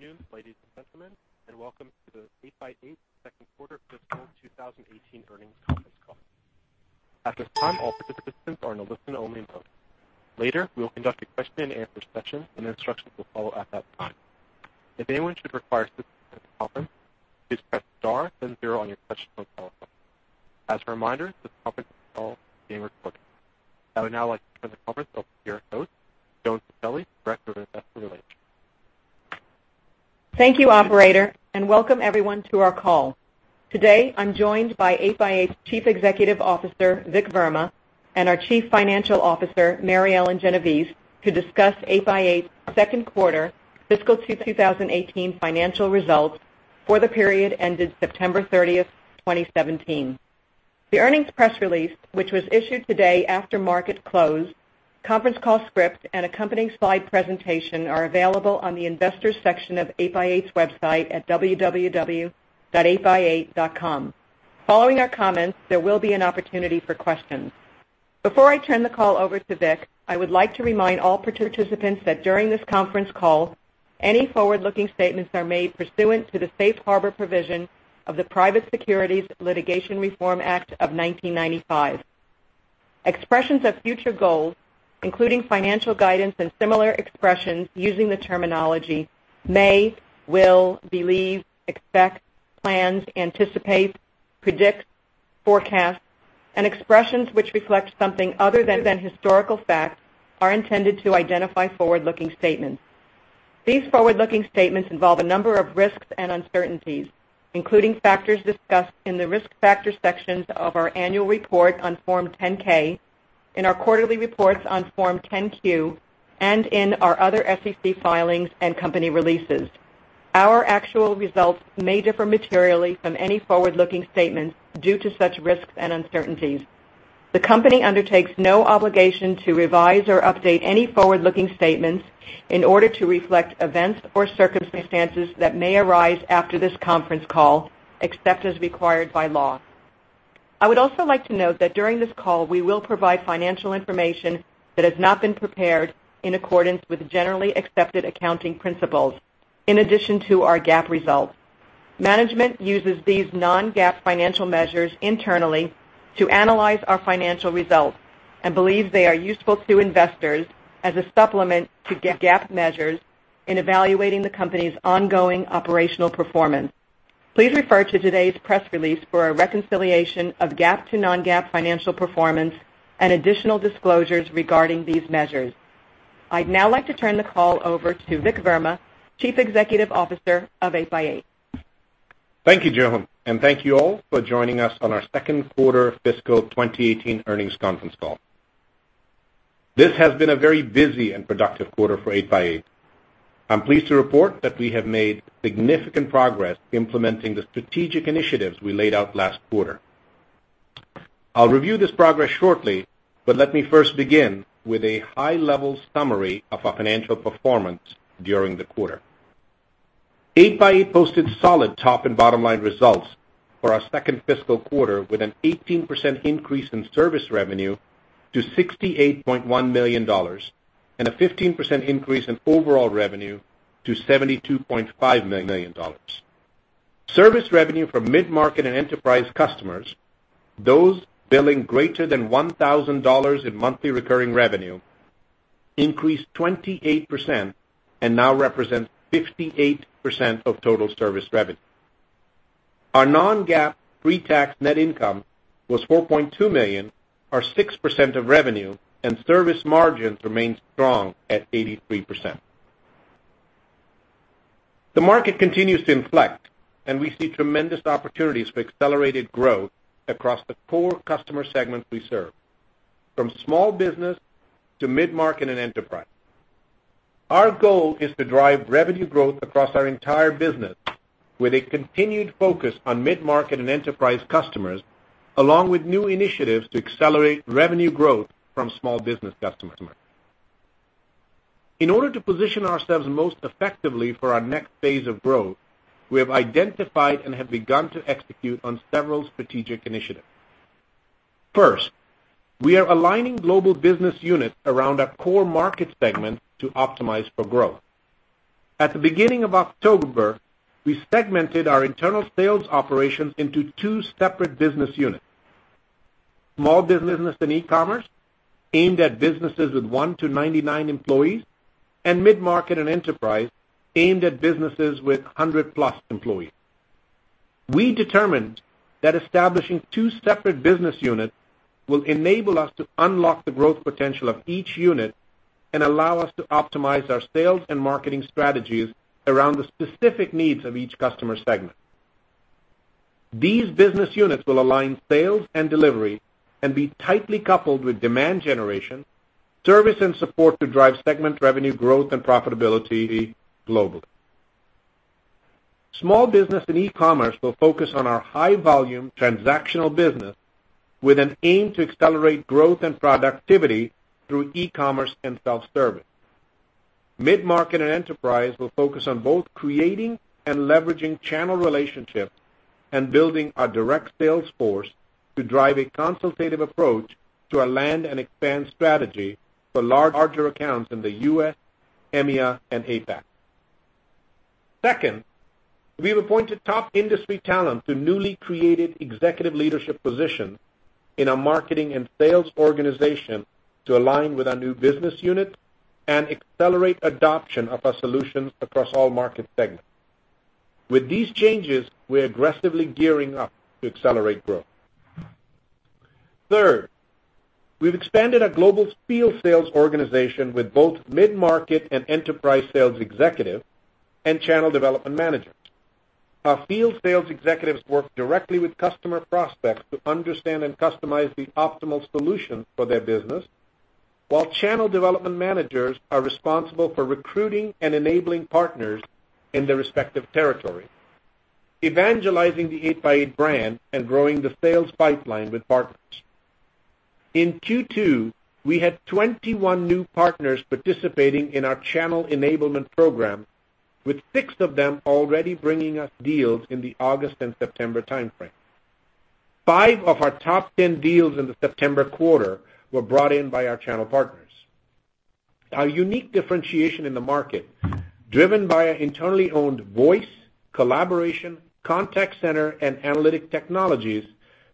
Good afternoon, ladies and gentlemen, and welcome to the 8x8 second quarter fiscal 2018 earnings conference call. At this time, all participants are in a listen-only mode. Later, we will conduct a question and answer session, and instructions will follow at that time. If anyone should require assistance during the conference, please press star then zero on your touchtone telephone. As a reminder, this conference is being recorded. I would now like to turn the conference over to Joan Pacelli, Director of Investor Relations. Thank you, operator. Welcome everyone to our call. Today, I'm joined by 8x8 Chief Executive Officer, Vikram Verma, and our Chief Financial Officer, Mary Ellen Genovese, to discuss 8x8 second quarter fiscal 2018 financial results for the period ended September 30, 2017. The earnings press release, which was issued today after market close, conference call script, and accompanying slide presentation are available on the investors section of 8x8's website at www.8x8.com. Following our comments, there will be an opportunity for questions. Before I turn the call over to Vik, I would like to remind all participants that during this conference call, any forward-looking statements are made pursuant to the Safe Harbor provision of the Private Securities Litigation Reform Act of 1995. Expressions of future goals, including financial guidance and similar expressions using the terminology, "may," "will," "believe," "expect," "plans," "anticipate," "predict," "forecast," and expressions which reflect something other than historical facts, are intended to identify forward-looking statements. These forward-looking statements involve a number of risks and uncertainties, including factors discussed in the Risk Factors sections of our annual report on Form 10-K, in our quarterly reports on Form 10-Q, in our other SEC filings and company releases. Our actual results may differ materially from any forward-looking statements due to such risks and uncertainties. The company undertakes no obligation to revise or update any forward-looking statements in order to reflect events or circumstances that may arise after this conference call, except as required by law. I would also like to note that during this call, we will provide financial information that has not been prepared in accordance with generally accepted accounting principles, in addition to our GAAP results. Management uses these non-GAAP financial measures internally to analyze our financial results and believe they are useful to investors as a supplement to GAAP measures in evaluating the company's ongoing operational performance. Please refer to today's press release for a reconciliation of GAAP to non-GAAP financial performance and additional disclosures regarding these measures. I'd now like to turn the call over to Vikram Verma, Chief Executive Officer of 8x8. Thank you, Joan, and thank you all for joining us on our second quarter fiscal 2018 earnings conference call. This has been a very busy and productive quarter for 8x8. I'm pleased to report that we have made significant progress implementing the strategic initiatives we laid out last quarter. I'll review this progress shortly, but let me first begin with a high-level summary of our financial performance during the quarter. 8x8 posted solid top and bottom-line results for our second fiscal quarter, with an 18% increase in service revenue to $68.1 million and a 15% increase in overall revenue to $72.5 million. Service revenue from mid-market and enterprise customers, those billing greater than $1,000 in monthly recurring revenue, increased 28% and now represents 58% of total service revenue. Our non-GAAP pre-tax net income was $4.2 million, or 6% of revenue, and service margins remained strong at 83%. The market continues to inflect, we see tremendous opportunities for accelerated growth across the core customer segments we serve, from small business to mid-market and enterprise. Our goal is to drive revenue growth across our entire business with a continued focus on mid-market and enterprise customers, along with new initiatives to accelerate revenue growth from small business customers. In order to position ourselves most effectively for our next phase of growth, we have identified and have begun to execute on several strategic initiatives. First, we are aligning global business units around our core market segment to optimize for growth. At the beginning of October, we segmented our internal sales operations into two separate business units. Small business and e-commerce, aimed at businesses with 1 to 99 employees, and mid-market and enterprise, aimed at businesses with 100-plus employees. We determined that establishing two separate business units will enable us to unlock the growth potential of each unit and allow us to optimize our sales and marketing strategies around the specific needs of each customer segment. These business units will align sales and delivery and be tightly coupled with demand generation, service and support to drive segment revenue growth and profitability globally. Small business and e-commerce will focus on our high-volume transactional business with an aim to accelerate growth and productivity through e-commerce and self-service. Mid-market and enterprise will focus on both creating and leveraging channel relationships building our direct sales force to drive a consultative approach to a land and expand strategy for larger accounts in the U.S., EMEA, and APAC. Second, we've appointed top industry talent to newly created executive leadership positions in our marketing and sales organization to align with our new business unit and accelerate adoption of our solutions across all market segments. With these changes, we're aggressively gearing up to accelerate growth. Third, we've expanded our global field sales organization with both mid-market and enterprise sales executives and channel development managers. Our field sales executives work directly with customer prospects to understand and customize the optimal solution for their business, while channel development managers are responsible for recruiting and enabling partners in their respective territory, evangelizing the 8x8 brand, and growing the sales pipeline with partners. In Q2, we had 21 new partners participating in our channel enablement program, with six of them already bringing us deals in the August and September timeframe. Five of our top 10 deals in the September quarter were brought in by our channel partners. Our unique differentiation in the market, driven by our internally owned voice, collaboration, contact center, and analytic technologies,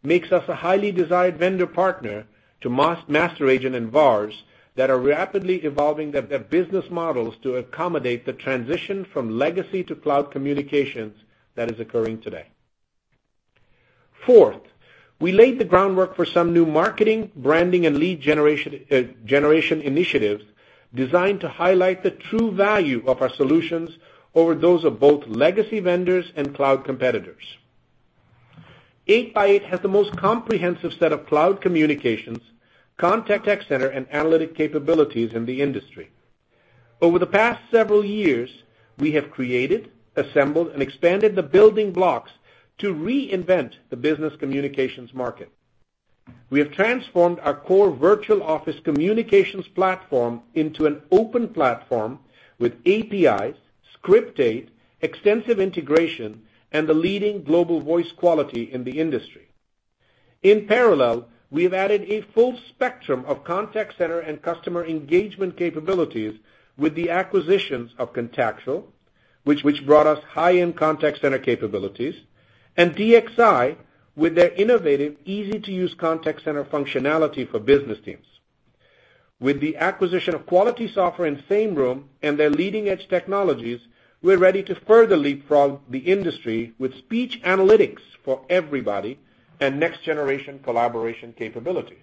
makes us a highly desired vendor partner to master agent and VARs that are rapidly evolving their business models to accommodate the transition from legacy to cloud communications that is occurring today. Fourth, we laid the groundwork for some new marketing, branding, and lead generation initiatives designed to highlight the true value of our solutions over those of both legacy vendors and cloud competitors. 8x8 has the most comprehensive set of cloud communications, contact center, and analytic capabilities in the industry. Over the past several years, we have created, assembled, and expanded the building blocks to reinvent the business communications market. We have transformed our core Virtual Office communications platform into an open platform with APIs, Scribe, extensive integration, and the leading global voice quality in the industry. In parallel, we have added a full spectrum of contact center and customer engagement capabilities with the acquisitions of Contactual, which brought us high-end contact center capabilities, and DXI, with their innovative, easy-to-use contact center functionality for business teams. With the acquisition of Quality Software and Sameroom and their leading-edge technologies, we're ready to further leapfrog the industry with speech analytics for everybody and next-generation collaboration capabilities.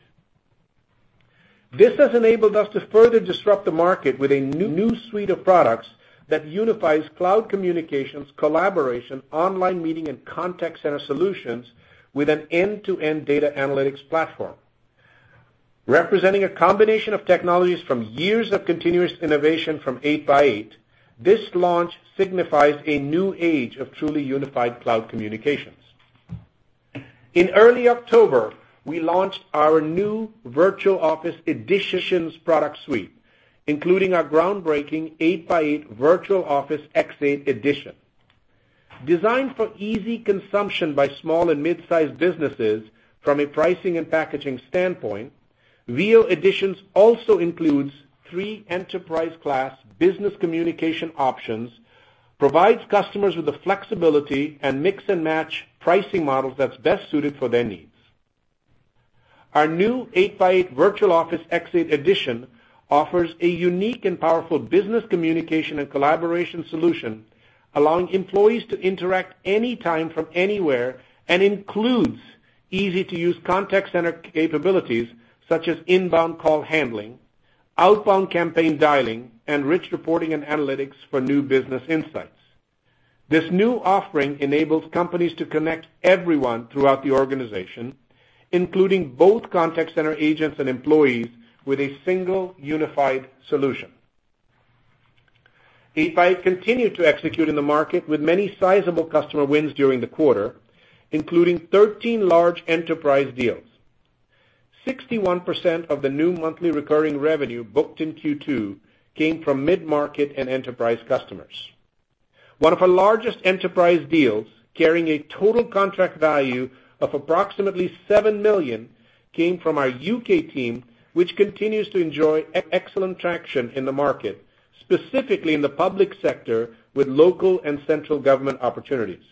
This has enabled us to further disrupt the market with a new suite of products that unifies cloud communications, collaboration, online meeting, and contact center solutions with an end-to-end data analytics platform. Representing a combination of technologies from years of continuous innovation from 8x8, this launch signifies a new age of truly unified cloud communications. In early October, we launched our new Virtual Office Editions product suite, including our groundbreaking 8x8 Virtual Office X8 Edition. Designed for easy consumption by small and mid-sized businesses from a pricing and packaging standpoint, VO Editions also includes three enterprise-class business communication options, provides customers with the flexibility and mix and match pricing models that's best suited for their needs. Our new 8x8 Virtual Office X8 Edition offers a unique and powerful business communication and collaboration solution, allowing employees to interact anytime from anywhere and includes easy-to-use contact center capabilities such as inbound call handling, outbound campaign dialing, and rich reporting and analytics for new business insights. This new offering enables companies to connect everyone throughout the organization, including both contact center agents and employees, with a single unified solution. 8x8 continued to execute in the market with many sizable customer wins during the quarter, including 13 large enterprise deals. 61% of the new monthly recurring revenue booked in Q2 came from mid-market and enterprise customers. One of our largest enterprise deals, carrying a total contract value of approximately $7 million, came from our U.K. team, which continues to enjoy excellent traction in the market, specifically in the public sector with local and central government opportunities.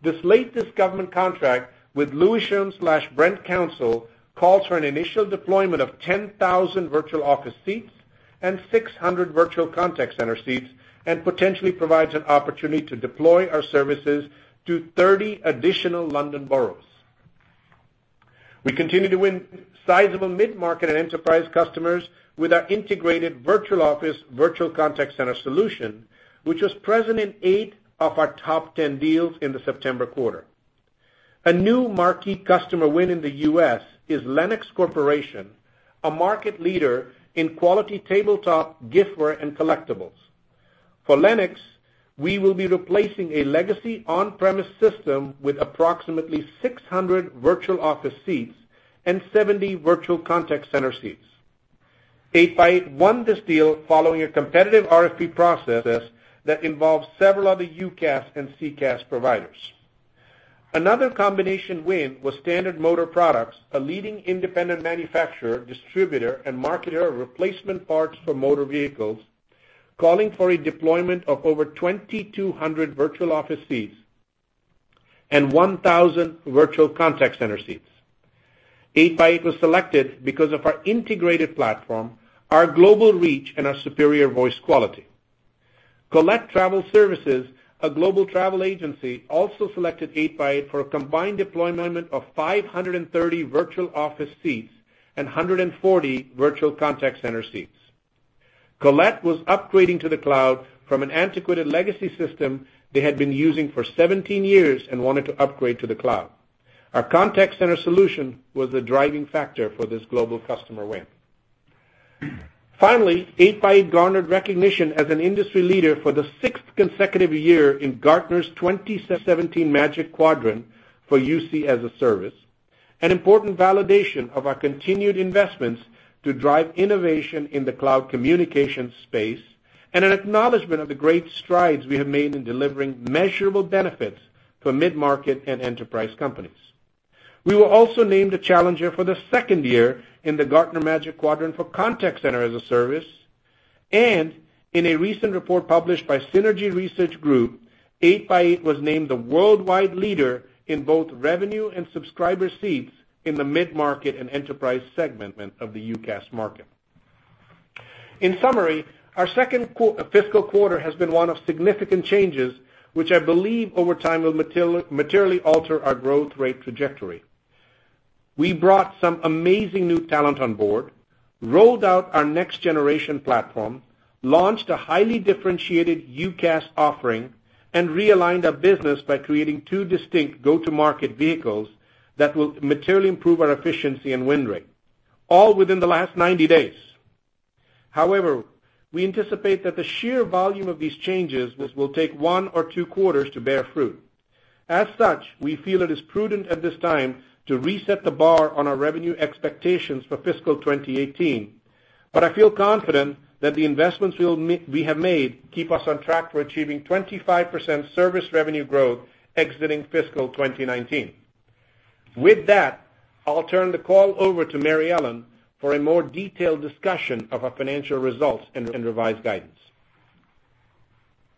This latest government contract with Lewisham/Brent Council calls for an initial deployment of 10,000 Virtual Office seats and 600 Virtual Contact Center seats, and potentially provides an opportunity to deploy our services to 30 additional London boroughs. We continue to win sizable mid-market and enterprise customers with our integrated Virtual Office Virtual Contact Center solution, which was present in eight of our top 10 deals in the September quarter. A new marquee customer win in the U.S. is Lenox Corporation, a market leader in quality tabletop giftware and collectibles. For Lenox, we will be replacing a legacy on-premise system with approximately 600 Virtual Office seats and 70 Virtual Contact Center seats. 8x8 won this deal following a competitive RFP process that involved several other UCaaS and CCaaS providers. Another combination win was Standard Motor Products, a leading independent manufacturer, distributor, and marketer of replacement parts for motor vehicles, calling for a deployment of over 2,200 Virtual Office seats and 1,000 Virtual Contact Center seats. 8x8 was selected because of our integrated platform, our global reach, and our superior voice quality. Collette Travel Services, a global travel agency, also selected 8x8 for a combined deployment of 530 Virtual Office seats and 140 Virtual Contact Center seats. Collette was upgrading to the cloud from an antiquated legacy system they had been using for 17 years and wanted to upgrade to the cloud. Our Contact Center solution was the driving factor for this global customer win. Finally, 8x8 garnered recognition as an industry leader for the sixth consecutive year in Gartner's 2017 Magic Quadrant for UC as a Service, an important validation of our continued investments to drive innovation in the cloud communication space, and an acknowledgment of the great strides we have made in delivering measurable benefits for mid-market and enterprise companies. We were also named a challenger for the second year in the Gartner Magic Quadrant for Contact Center as a Service, and in a recent report published by Synergy Research Group, 8x8 was named the worldwide leader in both revenue and subscriber seats in the mid-market and enterprise segment of the UCaaS market. In summary, our second fiscal quarter has been one of significant changes, which I believe over time will materially alter our growth rate trajectory. We brought some amazing new talent on board, rolled out our next-generation platform, launched a highly differentiated UCaaS offering, and realigned our business by creating two distinct go-to-market vehicles that will materially improve our efficiency and win rate, all within the last 90 days. However, we anticipate that the sheer volume of these changes will take one or two quarters to bear fruit. As such, we feel it is prudent at this time to reset the bar on our revenue expectations for fiscal 2018. I feel confident that the investments we have made keep us on track for achieving 25% service revenue growth exiting fiscal 2019. With that, I'll turn the call over to Mary Ellen for a more detailed discussion of our financial results and revised guidance.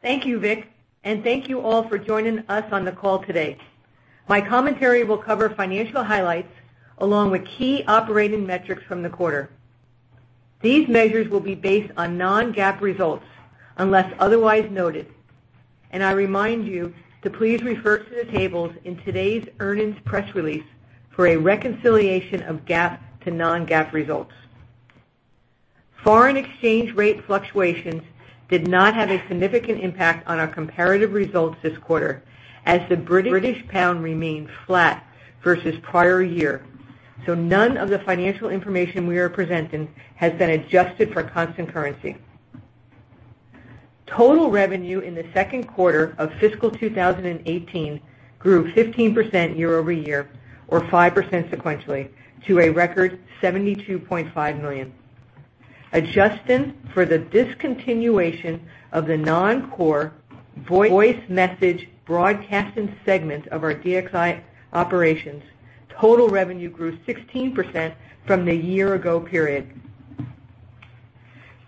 Thank you, Vik, and thank you all for joining us on the call today. My commentary will cover financial highlights along with key operating metrics from the quarter. These measures will be based on non-GAAP results unless otherwise noted, and I remind you to please refer to the tables in today's earnings press release for a reconciliation of GAAP to non-GAAP results. Foreign exchange rate fluctuations did not have a significant impact on our comparative results this quarter, as the British pound remained flat versus prior year. None of the financial information we are presenting has been adjusted for constant currency. Total revenue in the second quarter of fiscal 2018 grew 15% year-over-year or 5% sequentially to a record $72.5 million. Adjusted for the discontinuation of the non-core voice message broadcasting segment of our DXI operations, total revenue grew 16% from the year ago period.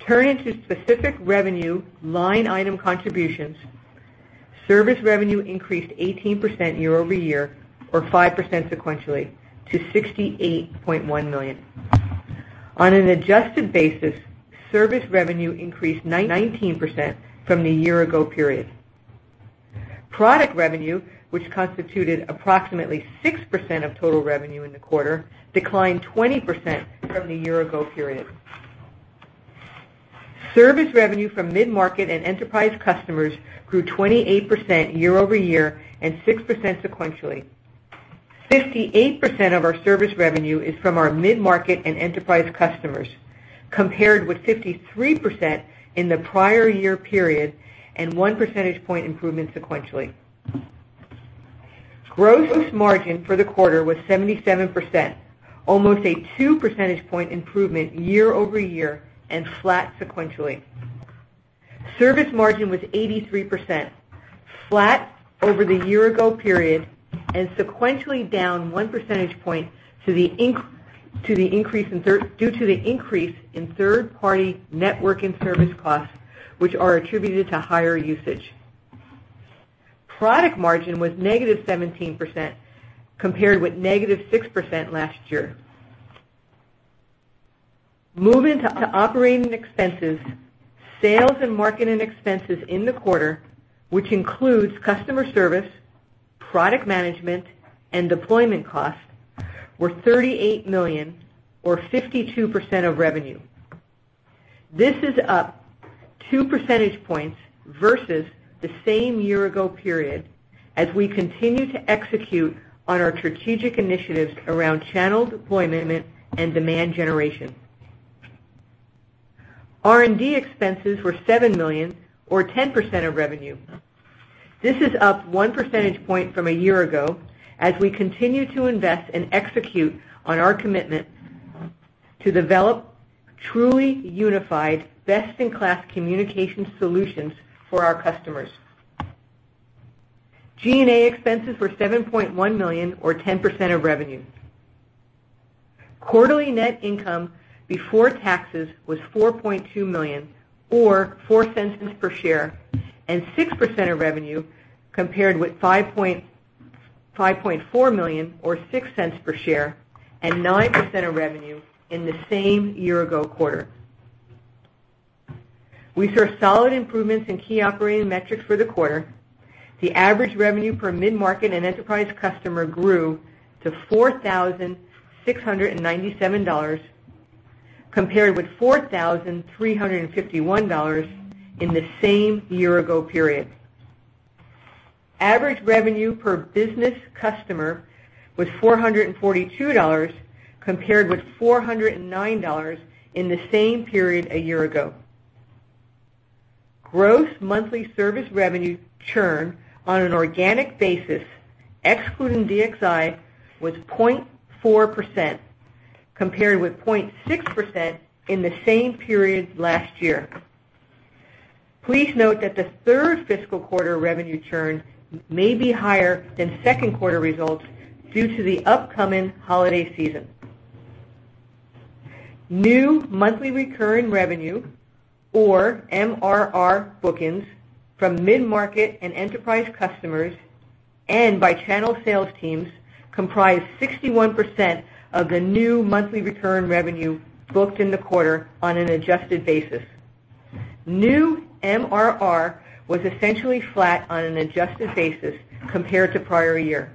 Turning to specific revenue line item contributions, service revenue increased 18% year-over-year or 5% sequentially to $68.1 million. On an adjusted basis, service revenue increased 19% from the year ago period. Product revenue, which constituted approximately 6% of total revenue in the quarter, declined 20% from the year ago period. Service revenue from mid-market and enterprise customers grew 28% year-over-year and 6% sequentially. 58% of our service revenue is from our mid-market and enterprise customers, compared with 53% in the prior year period and one percentage point improvement sequentially. Gross margin for the quarter was 77%, almost a two percentage point improvement year-over-year and flat sequentially. Service margin was 83%, flat over the year ago period and sequentially down one percentage point due to the increase in third-party networking service costs, which are attributed to higher usage. Product margin was negative 17%, compared with negative 6% last year. Moving to operating expenses, sales and marketing expenses in the quarter, which includes customer service, product management, and deployment costs, were $38 million or 52% of revenue. This is up two percentage points versus the same year ago period as we continue to execute on our strategic initiatives around channel deployment and demand generation. R&D expenses were $7 million or 10% of revenue. This is up one percentage point from a year ago, as we continue to invest and execute on our commitment to develop truly unified, best-in-class communication solutions for our customers. G&A expenses were $7.1 million, or 10% of revenue. Quarterly net income before taxes was $4.2 million, or $0.04 per share, and 6% of revenue, compared with $5.4 million or $0.06 per share and 9% of revenue in the same year-ago quarter. We saw solid improvements in key operating metrics for the quarter. The average revenue per mid-market and enterprise customer grew to $4,697, compared with $4,351 in the same year-ago period. Average revenue per business customer was $442, compared with $409 in the same period a year ago. Gross monthly service revenue churn on an organic basis, excluding DXI, was 0.4%, compared with 0.6% in the same period last year. Please note that the third fiscal quarter revenue churn may be higher than second quarter results due to the upcoming holiday season. New monthly recurring revenue, or MRR, bookings from mid-market and enterprise customers and by channel sales teams comprised 61% of the new monthly return revenue booked in the quarter on an adjusted basis. New MRR was essentially flat on an adjusted basis compared to prior year.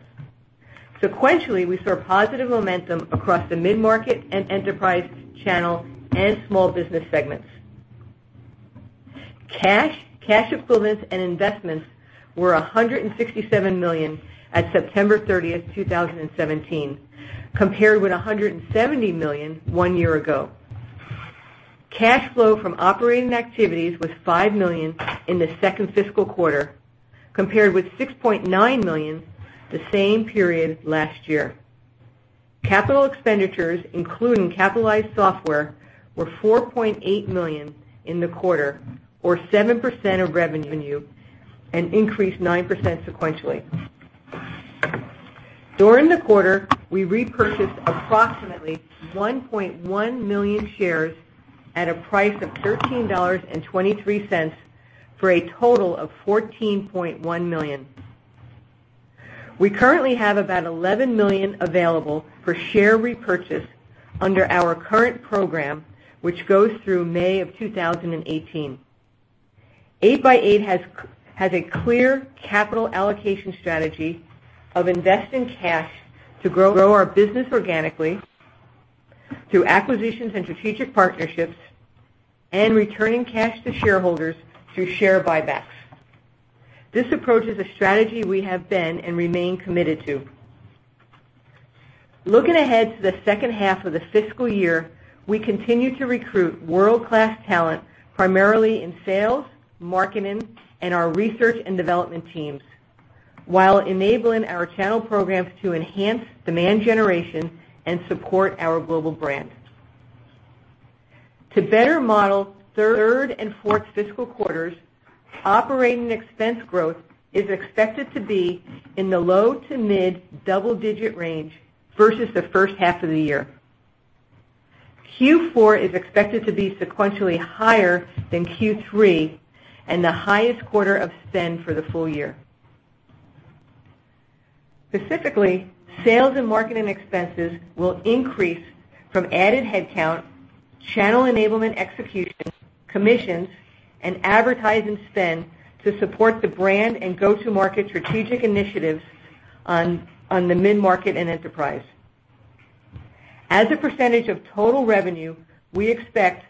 Sequentially, we saw positive momentum across the mid-market and enterprise channel and small business segments. Cash, cash equivalents, and investments were $167 million at September 30th, 2017, compared with $170 million one year ago. Cash flow from operating activities was $5 million in the second fiscal quarter, compared with $6.9 million the same period last year. Capital expenditures, including capitalized software, were $4.8 million in the quarter, or 7% of revenue, and increased 9% sequentially. During the quarter, we repurchased approximately 1.1 million shares at a price of $13.23, for a total of $14.1 million. We currently have about $11 million available for share repurchase under our current program, which goes through May 2018. 8x8 has a clear capital allocation strategy of investing cash to grow our business organically, through acquisitions and strategic partnerships, and returning cash to shareholders through share buybacks. This approach is a strategy we have been and remain committed to. Looking ahead to the second half of the fiscal year, we continue to recruit world-class talent, primarily in sales, marketing, and our research and development teams, while enabling our channel programs to enhance demand generation and support our global brand. To better model third and fourth fiscal quarters, operating expense growth is expected to be in the low to mid-double digit range versus the first half of the year. Q4 is expected to be sequentially higher than Q3 and the highest quarter of spend for the full year. Specifically, sales and marketing expenses will increase from added headcount, channel enablement execution, commissions, and advertising spend to support the brand and go-to-market strategic initiatives on the mid-market and enterprise. As a percentage of total revenue, we expect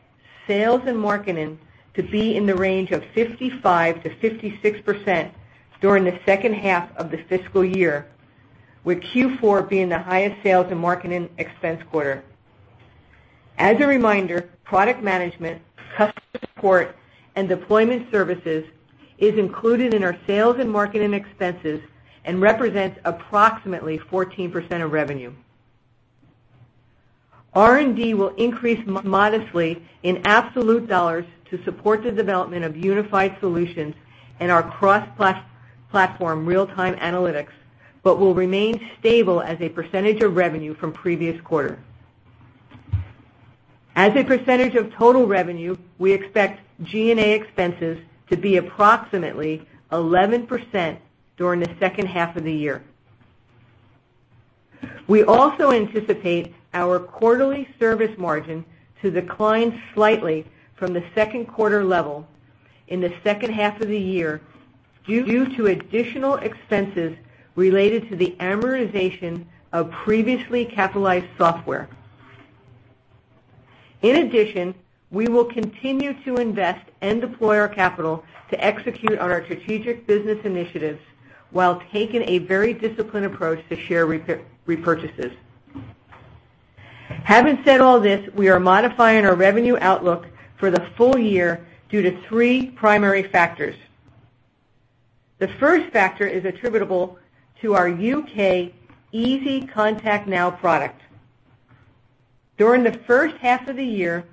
sales and marketing to be in the range of 55%-56% during the second half of the fiscal year, with Q4 being the highest sales and marketing expense quarter. As a reminder, product management, customer support, and deployment services is included in our sales and marketing expenses and represents approximately 14% of revenue. R&D will increase modestly in absolute dollars to support the development of unified solutions in our cross-platform real-time analytics, but will remain stable as a percentage of revenue from previous quarter. As a percentage of total revenue, we expect G&A expenses to be approximately 11% during the second half of the year. We also anticipate our quarterly service margin to decline slightly from the second quarter level in the second half of the year due to additional expenses related to the amortization of previously capitalized software. In addition, we will continue to invest and deploy our capital to execute on our strategic business initiatives while taking a very disciplined approach to share repurchases. Having said all this, we are modifying our revenue outlook for the full year due to three primary factors. The first factor is attributable to our U.K. 8x8 ContactNow product. During the first half of the year,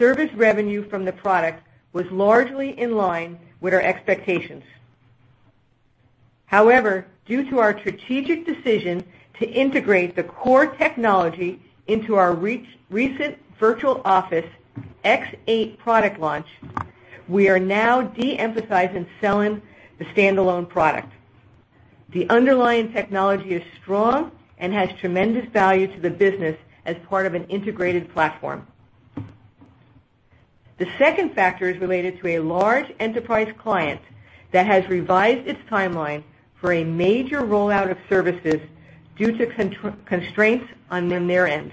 service revenue from the product was largely in line with our expectations. However, due to our strategic decision to integrate the core technology into our recent Virtual Office X8 product launch, we are now de-emphasizing selling the standalone product. The underlying technology is strong and has tremendous value to the business as part of an integrated platform. The second factor is related to a large enterprise client that has revised its timeline for a major rollout of services due to constraints on their end.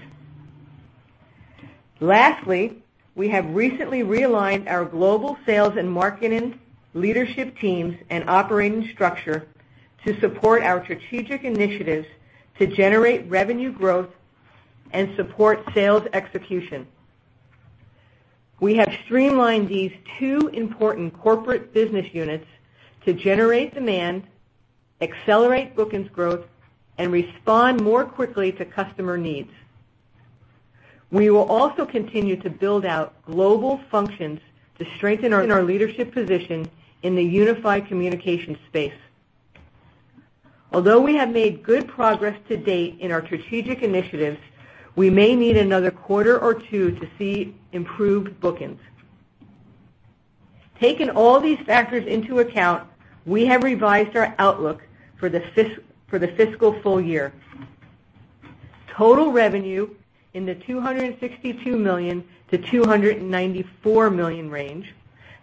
Lastly, we have recently realigned our global sales and marketing leadership teams and operating structure to support our strategic initiatives to generate revenue growth and support sales execution. We have streamlined these two important corporate business units to generate demand, accelerate bookings growth, and respond more quickly to customer needs. We will also continue to build out global functions to strengthen our leadership position in the unified communication space. Although we have made good progress to date in our strategic initiatives, we may need another quarter or two to see improved bookings. Taking all these factors into account, we have revised our outlook for the fiscal full year. Total revenue in the $262 million-$294 million range,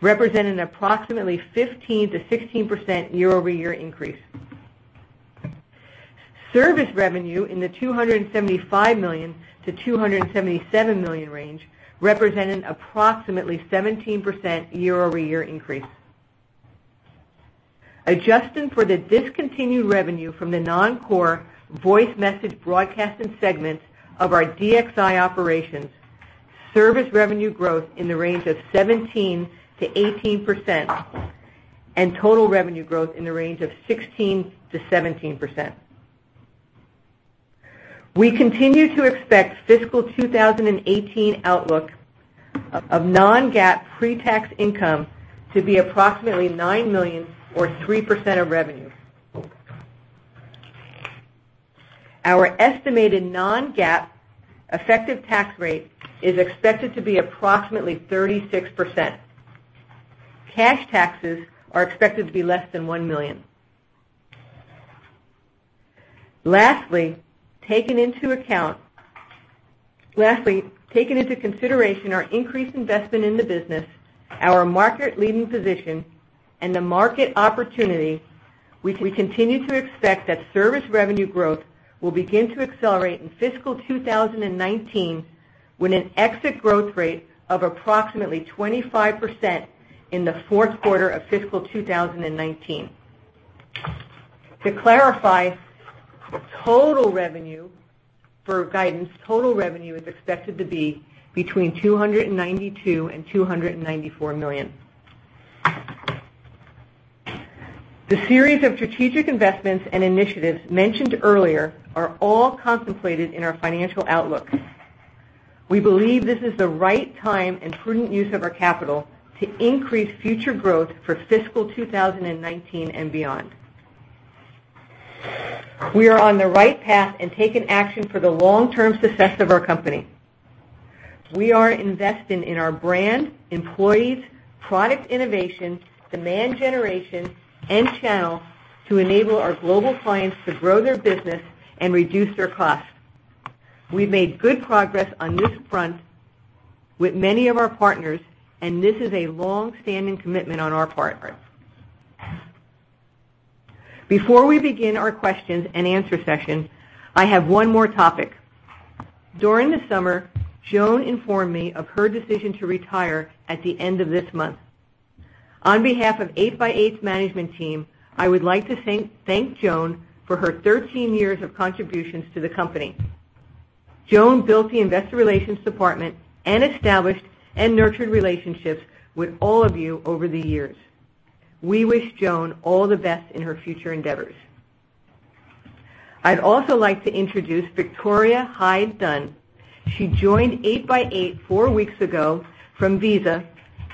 representing approximately 15%-16% year-over-year increase. Service revenue in the $275 million-$277 million range, representing approximately 17% year-over-year increase. Adjusting for the discontinued revenue from the non-core voice message broadcasting segment of our DXI operations, service revenue growth in the range of 17%-18%, and total revenue growth in the range of 16%-17%. We continue to expect fiscal 2018 outlook of non-GAAP pre-tax income to be approximately $9 million or 3% of revenue. Our estimated non-GAAP effective tax rate is expected to be approximately 36%. Cash taxes are expected to be less than $1 million. Taking into consideration our increased investment in the business, our market-leading position, and the market opportunity, we continue to expect that service revenue growth will begin to accelerate in fiscal 2019 with an exit growth rate of approximately 25% in the fourth quarter of fiscal 2019. To clarify, for guidance, total revenue is expected to be between $292 million and $294 million. The series of strategic investments and initiatives mentioned earlier are all contemplated in our financial outlook. We believe this is the right time and prudent use of our capital to increase future growth for fiscal 2019 and beyond. We are on the right path and taking action for the long-term success of our company. We are investing in our brand, employees, product innovation, demand generation, and channel to enable our global clients to grow their business and reduce their costs. We've made good progress on this front with many of our partners, and this is a long-standing commitment on our part. Before we begin our questions and answer session, I have one more topic. During the summer, Joan informed me of her decision to retire at the end of this month. On behalf of 8x8's management team, I would like to thank Joan for her 13 years of contributions to the company. Joan built the investor relations department and established and nurtured relationships with all of you over the years. We wish Joan all the best in her future endeavors. I'd also like to introduce Victoria Hyde-Dunn. She joined 8x8 four weeks ago from Visa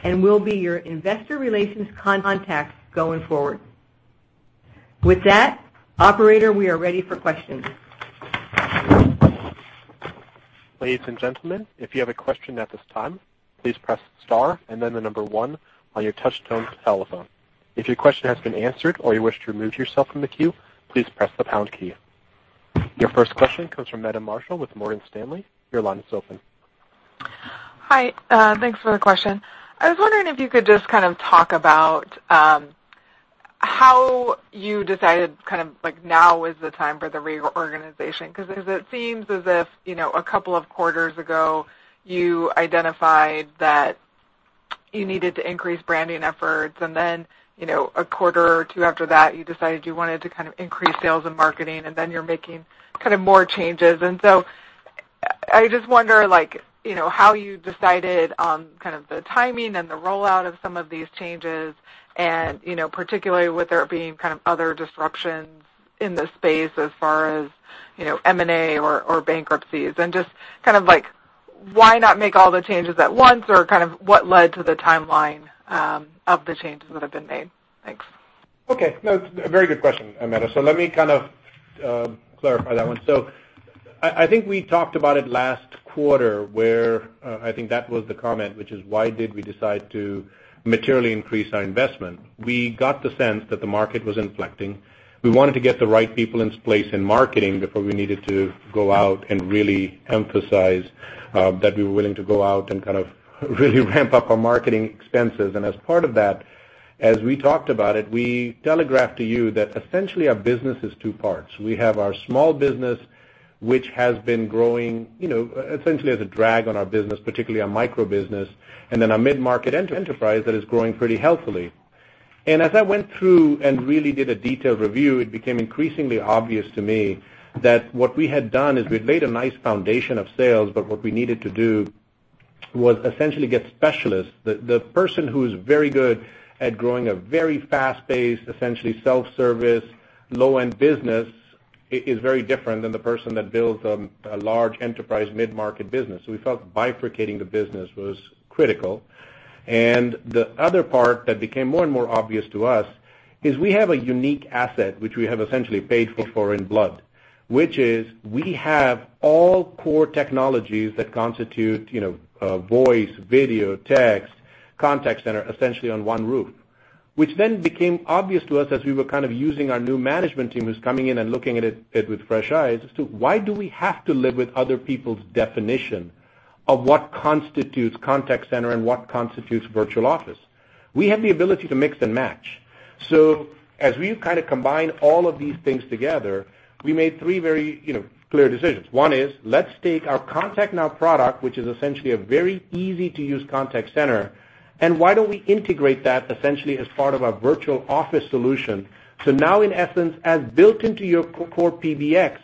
and will be your investor relations contact going forward. With that, operator, we are ready for questions. Ladies and gentlemen, if you have a question at this time, please press star and then the number one on your touchtone telephone. If your question has been answered or you wish to remove yourself from the queue, please press the pound key. Your first question comes from Meta Marshall with Morgan Stanley. Your line is open. Hi. Thanks for the question. I was wondering if you could just talk about how you decided now is the time for the reorganization, because as it seems as if a couple of quarters ago, you identified that you needed to increase branding efforts, then a quarter or two after that, you decided you wanted to increase sales and marketing, then you're making more changes. I just wonder how you decided on the timing and the rollout of some of these changes, particularly with there being other disruptions in this space as far as M&A or bankruptcies. Just why not make all the changes at once? What led to the timeline of the changes that have been made? Thanks. Okay. No, it's a very good question, Amanda. Let me clarify that one. I think we talked about it last quarter where I think that was the comment, which is why did we decide to materially increase our investment? We got the sense that the market was inflecting. We wanted to get the right people in place in marketing before we needed to go out and really emphasize that we were willing to go out and really ramp up our marketing expenses. As part of that, as we talked about it, we telegraphed to you that essentially our business is two parts. We have our small business, which has been growing essentially as a drag on our business, particularly our micro business, then our mid-market enterprise that is growing pretty healthily. As I went through and really did a detailed review, it became increasingly obvious to me that what we had done is we had made a nice foundation of sales, what we needed to do was essentially get specialists. The person who's very good at growing a very fast-paced, essentially self-service, low-end business is very different than the person that builds a large enterprise mid-market business. We felt bifurcating the business was critical. The other part that became more and more obvious to us is we have a unique asset which we have essentially paid for in blood, which is we have all core technologies that constitute voice, video, text, contact center, essentially on one roof. Became obvious to us as we were using our new management team who's coming in and looking at it with fresh eyes as to why do we have to live with other people's definition of what constitutes contact center and what constitutes Virtual Office? We have the ability to mix and match. As we've combined all of these things together, we made three very clear decisions. One is, let's take our ContactNow product, which is essentially a very easy-to-use contact center, and why don't we integrate that essentially as part of our Virtual Office solution? Now, in essence, as built into your core PBX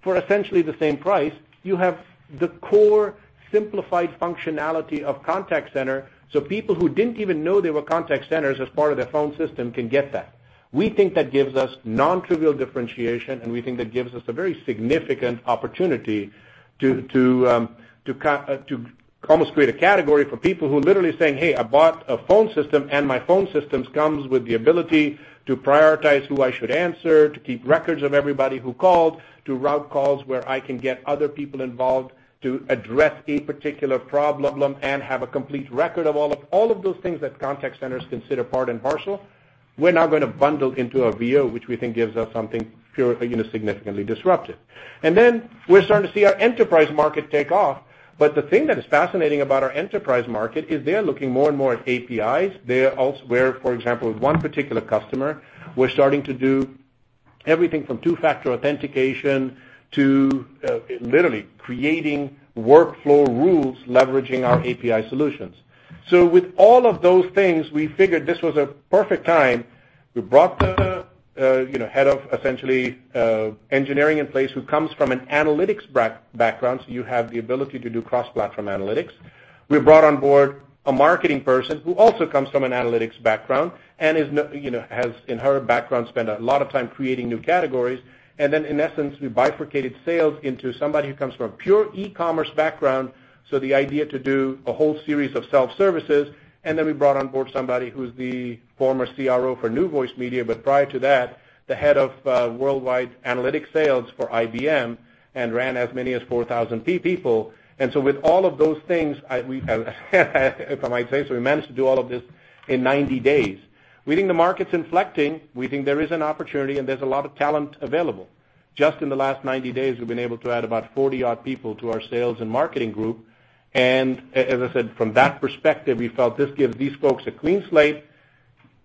for essentially the same price, you have the core simplified functionality of contact center, so people who didn't even know there were contact centers as part of their phone system can get that. We think that gives us non-trivial differentiation, and we think that gives us a very significant opportunity to almost create a category for people who are literally saying, "Hey, I bought a phone system, and my phone systems comes with the ability to prioritize who I should answer, to keep records of everybody who called, to route calls where I can get other people involved to address a particular problem and have a complete record of all of those things that contact centers consider part and parcel." We're now going to bundle into a VO, which we think gives us something significantly disruptive. We're starting to see our enterprise market take off. The thing that is fascinating about our enterprise market is they're looking more and more at APIs. Where, for example, with one particular customer, we're starting to do everything from two-factor authentication to literally creating workflow rules leveraging our API solutions. With all of those things, we figured this was a perfect time. We brought the head of essentially engineering in place who comes from an analytics background, so you have the ability to do cross-platform analytics. We brought on board a marketing person who also comes from an analytics background and has, in her background, spent a lot of time creating new categories. In essence, we bifurcated sales into somebody who comes from a pure e-commerce background, so the idea to do a whole series of self-services. We brought on board somebody who's the former CRO for NewVoiceMedia, but prior to that, the head of worldwide analytic sales for IBM and ran as many as 4,000 people. With all of those things, if I might say so, we managed to do all of this in 90 days. We think the market's inflecting. We think there is an opportunity, and there's a lot of talent available. Just in the last 90 days, we've been able to add about 40-odd people to our sales and marketing group. As I said, from that perspective, we felt this gives these folks a clean slate,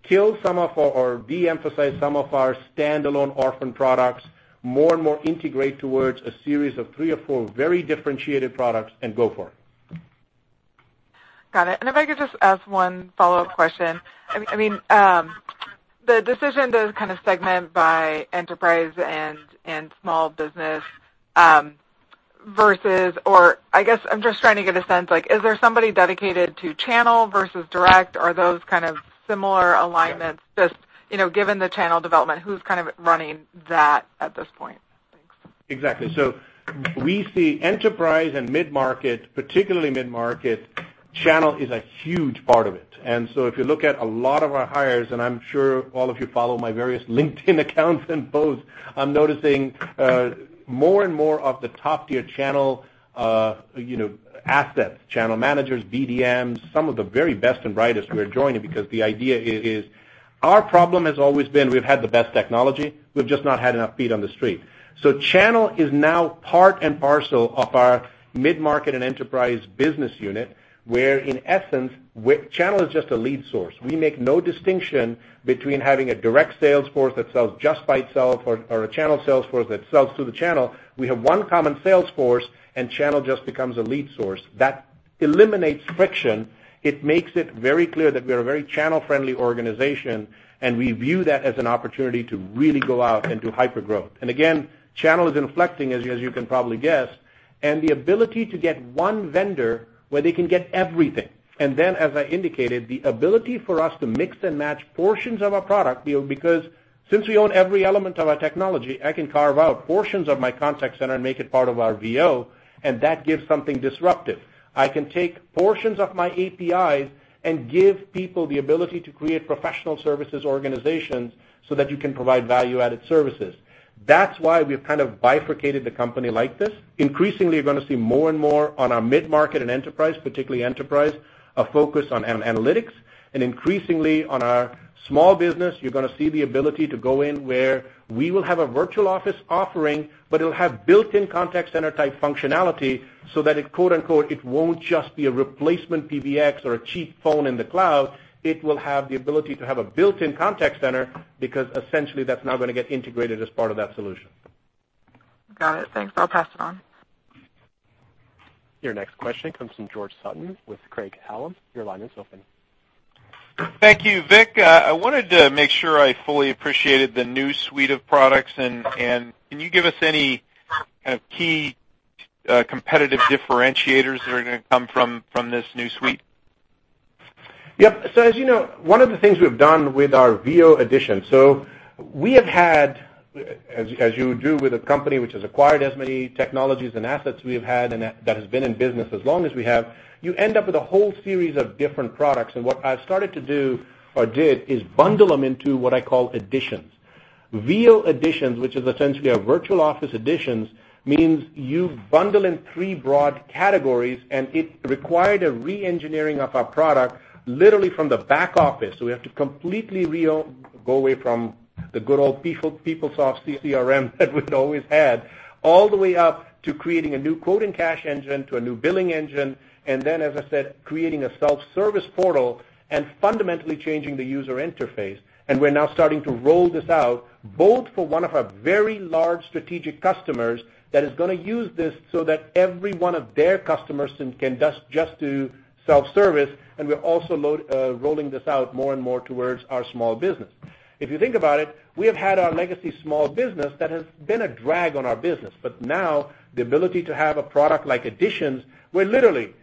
kill some of our, or de-emphasize some of our standalone orphan products, more and more integrate towards a series of three or four very differentiated products, and go for it. Got it. If I could just ask one follow-up question. The decision to segment by enterprise and small business versus. I guess I'm just trying to get a sense, is there somebody dedicated to channel versus direct? Are those similar alignments just given the channel development? Who's running that at this point? Thanks. Exactly. We see enterprise and mid-market, particularly mid-market, channel is a huge part of it. If you look at a lot of our hires, I'm sure all of you follow my various LinkedIn accounts and posts, I'm noticing more and more of the top-tier channel assets. Channel managers, BDMs, some of the very best and brightest who are joining because the idea is our problem has always been we've had the best technology, we've just not had enough feet on the street. Channel is now part and parcel of our mid-market and enterprise business unit, where in essence, channel is just a lead source. We make no distinction between having a direct sales force that sells just by itself or a channel sales force that sells to the channel. We have one common sales force and channel just becomes a lead source. That eliminates friction. It makes it very clear that we're a very channel-friendly organization. We view that as an opportunity to really go out and do hypergrowth. Again, channel is inflecting, as you can probably guess, and the ability to get one vendor where they can get everything. Then, as I indicated, the ability for us to mix and match portions of our product because since we own every element of our technology, I can carve out portions of my contact center and make it part of our VO. That gives something disruptive. I can take portions of my APIs and give people the ability to create professional services organizations so that you can provide value-added services. That's why we've kind of bifurcated the company like this. Increasingly, you're going to see more and more on our mid-market and enterprise, particularly enterprise, a focus on analytics. Increasingly on our small business, you're going to see the ability to go in where we will have a Virtual Office offering, but it'll have built-in contact center type functionality so that it, quote-unquote, "It won't just be a replacement PBX or a cheap phone in the cloud." It will have the ability to have a built-in contact center because essentially that's now going to get integrated as part of that solution. Got it. Thanks. I'll pass it on. Your next question comes from George Sutton with Craig-Hallum. Your line is open. Thank you. Vik, I wanted to make sure I fully appreciated the new suite of products and can you give us any kind of key competitive differentiators that are going to come from this new suite? Yep. As you know, one of the things we've done with our VO Edition, so we have had, as you do with a company which has acquired as many technologies and assets we've had, and that has been in business as long as we have, you end up with a whole series of different products. What I started to do or did is bundle them into what I call editions. VO Editions, which is essentially our Virtual Office Editions, means you bundle in three broad categories, and it required a re-engineering of our product, literally from the back office. We have to completely go away from the good old PeopleSoft CRM that we'd always had, all the way up to creating a new quote-to-cash engine to a new billing engine, and then, as I said, creating a self-service portal and fundamentally changing the user interface. We're now starting to roll this out, both for one of our very large strategic customers that is going to use this so that every one of their customers can just do self-service, and we're also rolling this out more and more towards our small business. If you think about it, we have had our legacy small business that has been a drag on our business. Now, the ability to have a product like Editions, where literally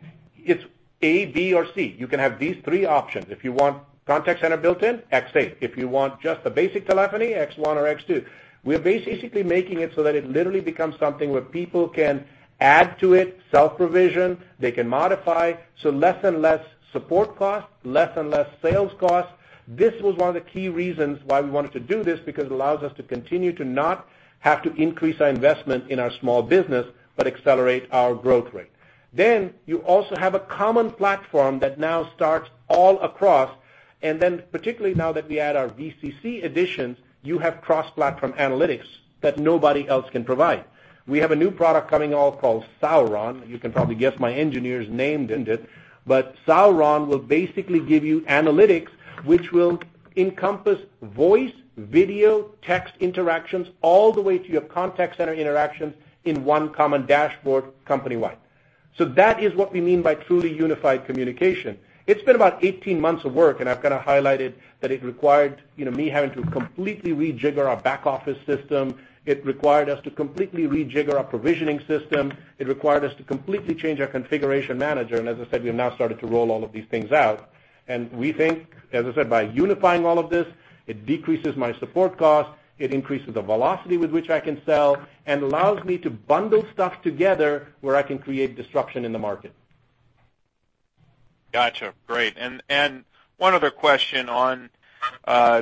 it's A, B, or C. You can have these three options. If you want contact center built in, X8. If you want just the basic telephony, X1 or X2. We're basically making it so that it literally becomes something where people can add to it, self-provision, they can modify. Less and less support cost, less and less sales cost. This was one of the key reasons why we wanted to do this, because it allows us to continue to not have to increase our investment in our small business, but accelerate our growth rate. You also have a common platform that now starts all across, and particularly now that we add our VCC editions, you have cross-platform analytics that nobody else can provide. We have a new product coming out called Sauron. You can probably guess my engineers named it. Sauron will basically give you analytics which will encompass voice, video, text interactions all the way to your contact center interactions in one common dashboard company-wide. That is what we mean by truly unified communication. It's been about 18 months of work, and I've kind of highlighted that it required me having to completely rejigger our back office system. It required us to completely rejigger our provisioning system. It required us to completely change our configuration manager, and as I said, we have now started to roll all of these things out. We think, as I said, by unifying all of this, it decreases my support cost, it increases the velocity with which I can sell, and allows me to bundle stuff together where I can create disruption in the market. Gotcha. Great. One other question on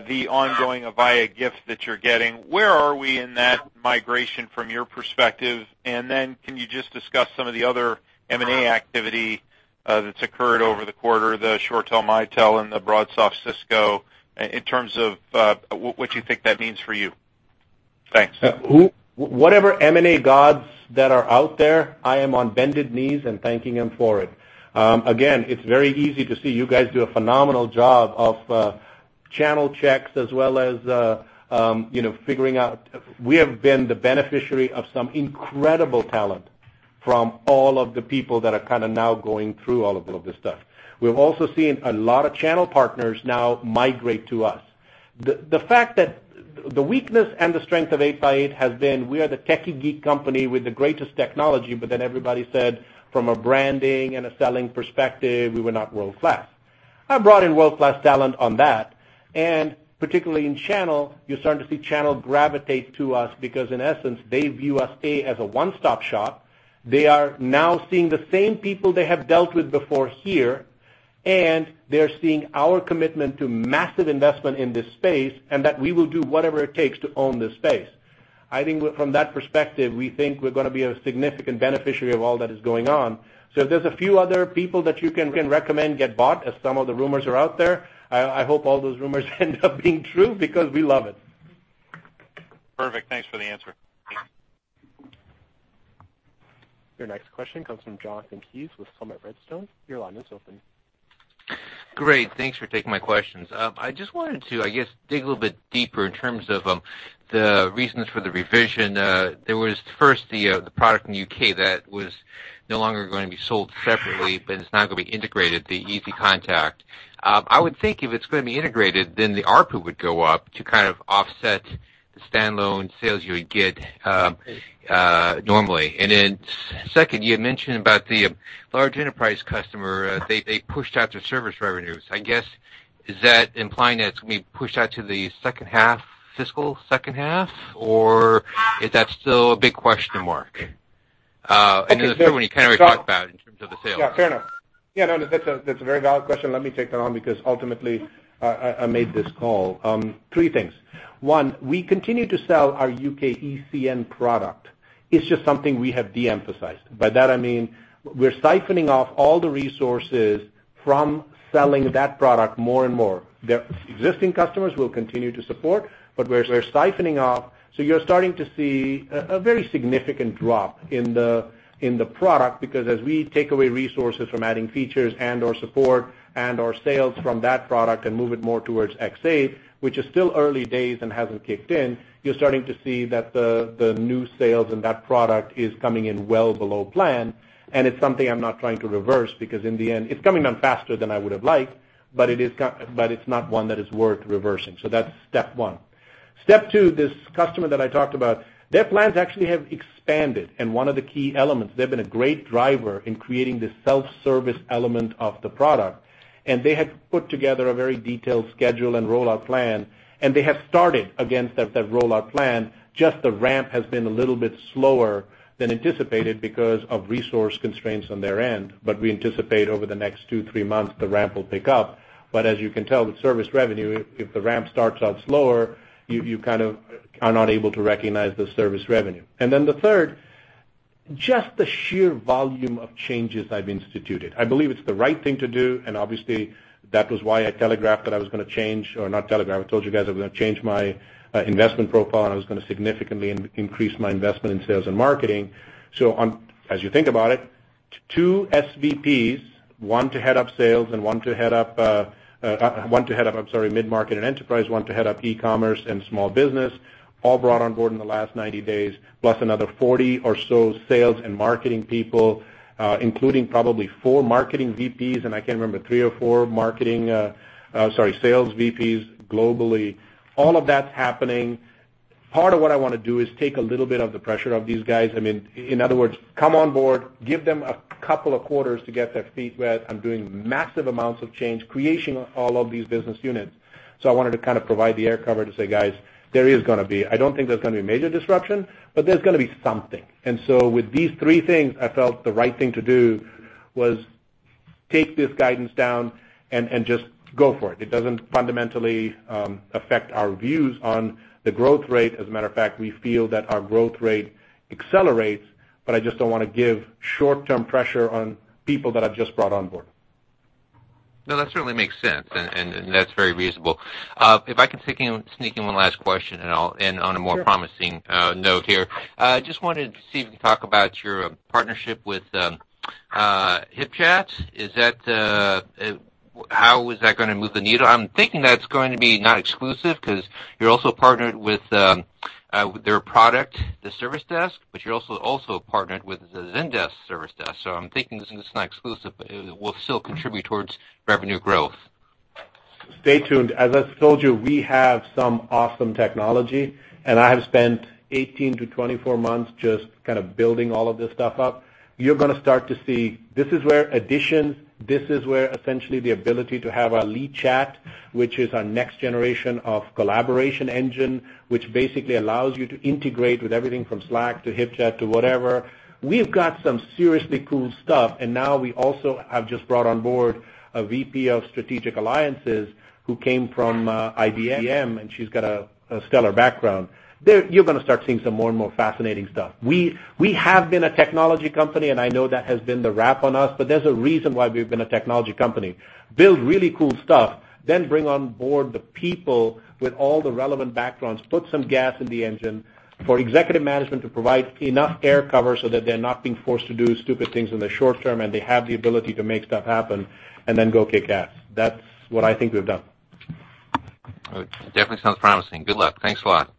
the ongoing Avaya gifts that you're getting. Where are we in that migration from your perspective? Can you just discuss some of the other M&A activity that's occurred over the quarter, the ShoreTel, Mitel, and the BroadSoft Cisco, in terms of what you think that means for you? Thanks. Whatever M&A gods that are out there, I am on bended knees and thanking them for it. It's very easy to see you guys do a phenomenal job of channel checks as well as figuring out. We have been the beneficiary of some incredible talent from all of the people that are kind of now going through all of this stuff. We've also seen a lot of channel partners now migrate to us. The weakness and the strength of 8x8 has been we are the techie geek company with the greatest technology. Everybody said from a branding and a selling perspective, we were not world-class. I brought in world-class talent on that, and particularly in channel, you're starting to see channel gravitate to us because in essence, they view us, A, as a one-stop shop. They are now seeing the same people they have dealt with before here, and they're seeing our commitment to massive investment in this space and that we will do whatever it takes to own this space. I think from that perspective, we think we're going to be a significant beneficiary of all that is going on. If there's a few other people that you can recommend get bought, as some of the rumors are out there, I hope all those rumors end up being true because we love it. Perfect. Thanks for the answer. Your next question comes from Jonathan Keyes with Summit Redstone. Your line is open. Great. Thanks for taking my questions. I just wanted to, I guess, dig a little bit deeper in terms of the reasons for the revision. There was first the product in the U.K. that was no longer going to be sold separately, but it's now going to be integrated, the ECN. I would think if it's going to be integrated, the ARPU would go up to kind of offset the standalone sales you would get normally. Second, you had mentioned about the large enterprise customer, they pushed out their service revenues. I guess, is that implying that it's going to be pushed out to the second half, fiscal second half, or is that still a big question mark? The third one, you kind of already talked about in terms of the sales. Yeah, fair enough. That's a very valid question. Let me take that on because ultimately, I made this call. Three things. One, we continue to sell our U.K. ECN product. It's just something we have de-emphasized. By that I mean, we're siphoning off all the resources from selling that product more and more. The existing customers we'll continue to support, but we're siphoning off. You're starting to see a very significant drop in the product because as we take away resources from adding features and/or support and/or sales from that product and move it more towards X8, which is still early days and hasn't kicked in, you're starting to see that the new sales in that product is coming in well below plan, and it's something I'm not trying to reverse because in the end, it's coming down faster than I would've liked, but it's not one that is worth reversing. That's step one. Step two, this customer that I talked about, their plans actually have expanded. One of the key elements, they've been a great driver in creating this self-service element of the product. They had put together a very detailed schedule and rollout plan, and they have started against that rollout plan. Just the ramp has been a little bit slower than anticipated because of resource constraints on their end. We anticipate over the next two, three months, the ramp will pick up. As you can tell with service revenue, if the ramp starts out slower, you kind of are not able to recognize the service revenue. The third, just the sheer volume of changes I've instituted. I believe it's the right thing to do, and obviously, that was why I telegraphed that I was going to change, or not telegraphed, I told you guys I was going to change my investment profile, and I was going to significantly increase my investment in sales and marketing. As you think about it, two SVPs, one to head up sales and one to head up midmarket and enterprise, one to head up e-commerce and small business, all brought on board in the last 90 days, plus another 40 or so sales and marketing people, including probably four marketing VPs, and I can't remember, three or four sales VPs globally. All of that's happening. Part of what I want to do is take a little bit of the pressure off these guys. In other words, come on board, give them a couple of quarters to get their feet wet. I'm doing massive amounts of change, creation of all of these business units. I wanted to kind of provide the air cover to say, "Guys, I don't think there's going to be major disruption, but there's going to be something." With these three things, I felt the right thing to do was take this guidance down and just go for it. It doesn't fundamentally affect our views on the growth rate. As a matter of fact, we feel that our growth rate accelerates, but I just don't want to give short-term pressure on people that I've just brought on board. No, that certainly makes sense, and that's very reasonable. If I can sneak in one last question, and I'll end on a more promising note here. I just wanted to see if you can talk about your partnership with HipChat. How is that going to move the needle? I'm thinking that's going to be not exclusive because you're also partnered with their product, the Service Desk, but you're also partnered with the Zendesk Service Desk. I'm thinking this is not exclusive, but it will still contribute towards revenue growth. Stay tuned. As I told you, we have some awesome technology, and I have spent 18 to 24 months just kind of building all of this stuff up. You're going to start to see, this is where essentially the ability to have a lead chat, which is our next generation of collaboration engine, which basically allows you to integrate with everything from Slack to HipChat to whatever. We've got some seriously cool stuff, and now we also have just brought on board a VP of strategic alliances who came from IBM, and she's got a stellar background. You're going to start seeing some more and more fascinating stuff. We have been a technology company, and I know that has been the rap on us, but there's a reason why we've been a technology company. Build really cool stuff, then bring on board the people with all the relevant backgrounds, put some gas in the engine for executive management to provide enough air cover so that they're not being forced to do stupid things in the short term, and they have the ability to make stuff happen, and then go kick ass. That's what I think we've done. It definitely sounds promising. Good luck. Thanks a lot.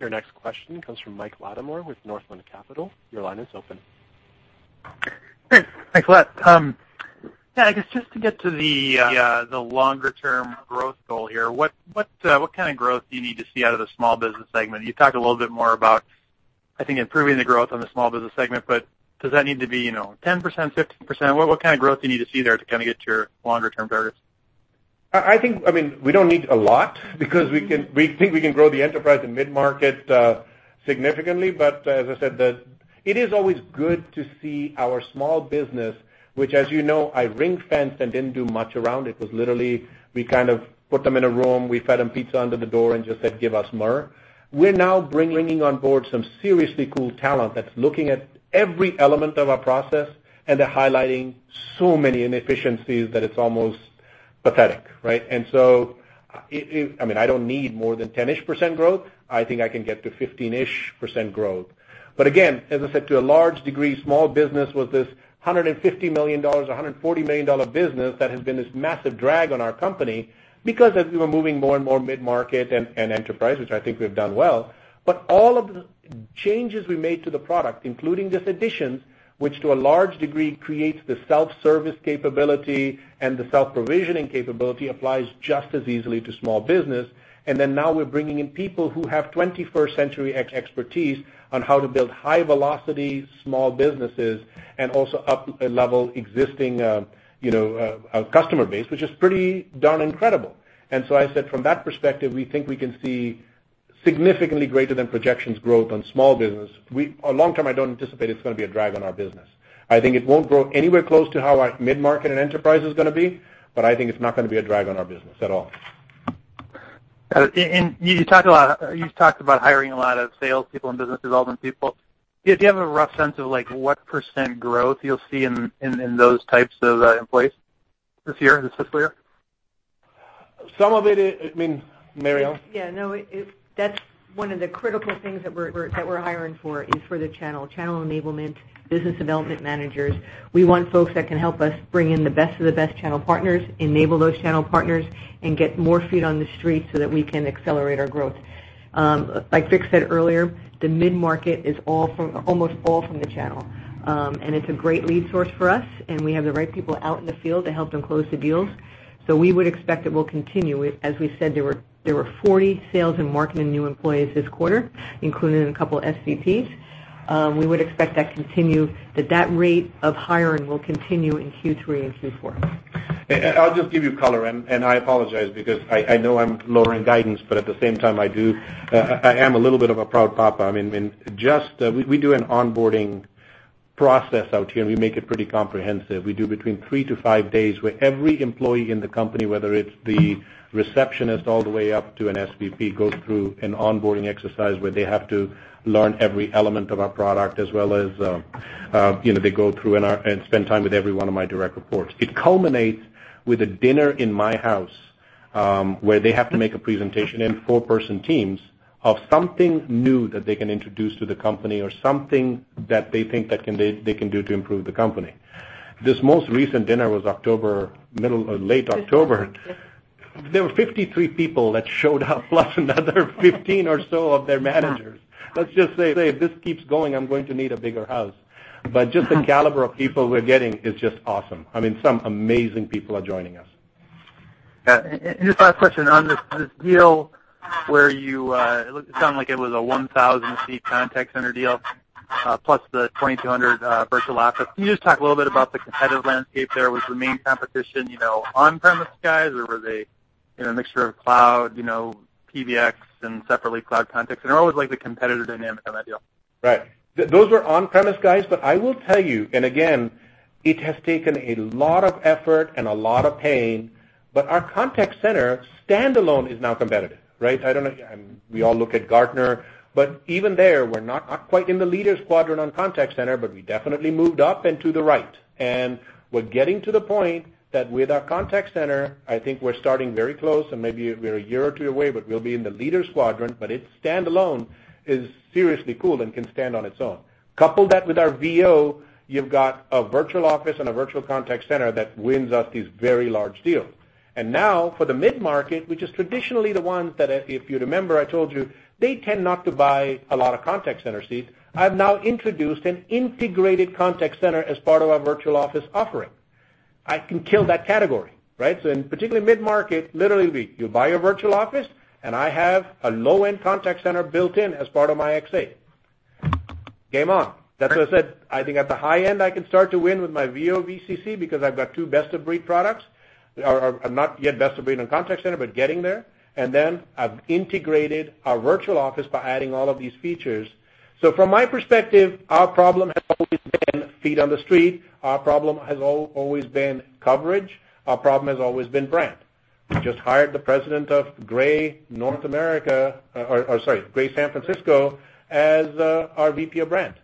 Your next question comes from Michael Latimore with Northland Capital Markets. Your line is open. Great. Thanks a lot. Yeah, I guess just to get to the longer-term growth goal here, what kind of growth do you need to see out of the small business segment? You talked a little bit more about, I think, improving the growth on the small business segment, does that need to be 10%, 15%? What kind of growth do you need to see there to kind of get to your longer-term targets? I think we don't need a lot because we think we can grow the enterprise and mid-market significantly. As I said, it is always good to see our small business, which, as you know, I ring-fenced and didn't do much around. It was literally, we kind of put them in a room, we fed them pizza under the door, and just said, "Give us MRR." We're now bringing on board some seriously cool talent that's looking at every element of our process, and they're highlighting so many inefficiencies that it's almost pathetic, right? I don't need more than 10-ish% growth. I think I can get to 15-ish% growth. Again, as I said, to a large degree, small business was this $150 million, $140 million business that has been this massive drag on our company because as we were moving more and more mid-market and enterprise, which I think we've done well. All of the changes we made to the product, including this addition, which to a large degree creates the self-service capability and the self-provisioning capability, applies just as easily to small business. Now we're bringing in people who have 21st century expertise on how to build high-velocity small businesses and also up-level existing customer base, which is pretty darn incredible. I said, from that perspective, we think we can see significantly greater than projections growth on small business. Long term, I don't anticipate it's going to be a drag on our business. I think it won't grow anywhere close to how our mid-market and enterprise is going to be, I think it's not going to be a drag on our business at all. You talked about hiring a lot of salespeople and business development people. Do you have a rough sense of what % growth you'll see in those types of employees this year? I mean, Mary Ellen? Yeah, no, that's one of the critical things that we're hiring for is for the channel. Channel enablement, business development managers. We want folks that can help us bring in the best of the best channel partners, enable those channel partners, and get more feet on the street so that we can accelerate our growth. Like Vik said earlier, the mid-market is almost all from the channel. It's a great lead source for us, and we have the right people out in the field to help them close the deals. We would expect it will continue. As we said, there were 40 sales and marketing new employees this quarter, including a couple SVPs. We would expect that to continue, that rate of hiring will continue in Q3 and Q4. I'll just give you color. I apologize because I know I'm lowering guidance, but at the same time, I am a little bit of a proud papa. We do an onboarding process out here, and we make it pretty comprehensive. We do between three to five days where every employee in the company, whether it's the receptionist all the way up to an SVP, goes through an onboarding exercise where they have to learn every element of our product as well as they go through and spend time with every one of my direct reports. It culminates with a dinner in my house, where they have to make a presentation in four-person teams of something new that they can introduce to the company or something that they think that they can do to improve the company. This most recent dinner was October, middle or late October. There were 53 people that showed up, plus another 15 or so of their managers. Let's just say, if this keeps going, I'm going to need a bigger house. Just the caliber of people we're getting is just awesome. Some amazing people are joining us. Just last question on this deal where it sounded like it was a 1,000-seat contact center deal, plus the 2,200 Virtual Office. Can you just talk a little bit about the competitive landscape there? Was the main competition on-premise guys, or were they in a mixture of cloud PBX and separately cloud contacts? What was the competitor dynamic on that deal? Right. Those were on-premise guys, I will tell you, again, it has taken a lot of effort and a lot of pain, but our contact center standalone is now competitive, right? We all look at Gartner, but even there, we're not quite in the leader's quadrant on contact center, but we definitely moved up and to the right. We're getting to the point that with our contact center, I think we're starting very close and maybe we're a year or two away, but we'll be in the leader's quadrant, but it's standalone is seriously cool and can stand on its own. Couple that with our VO, you've got a Virtual Office and a Virtual Contact Center that wins us these very large deals. Now for the mid-market, which is traditionally the ones that if you remember, I told you, they tend not to buy a lot of contact center seats. I've now introduced an integrated contact center as part of our Virtual Office offering. I can kill that category, right? In particularly mid-market, literally, you buy a Virtual Office and I have a low-end contact center built in as part of my X8. Game on. That's why I said, I think at the high end, I can start to win with my VO VCC because I've got two best-of-breed products. Not yet best of breed on contact center, but getting there. Then I've integrated our Virtual Office by adding all of these features. From my perspective, our problem has always been feet on the street. Our problem has always been coverage. Our problem has always been brand. We just hired the president of Grey North America, or sorry, Grey San Francisco, as our VP of brand.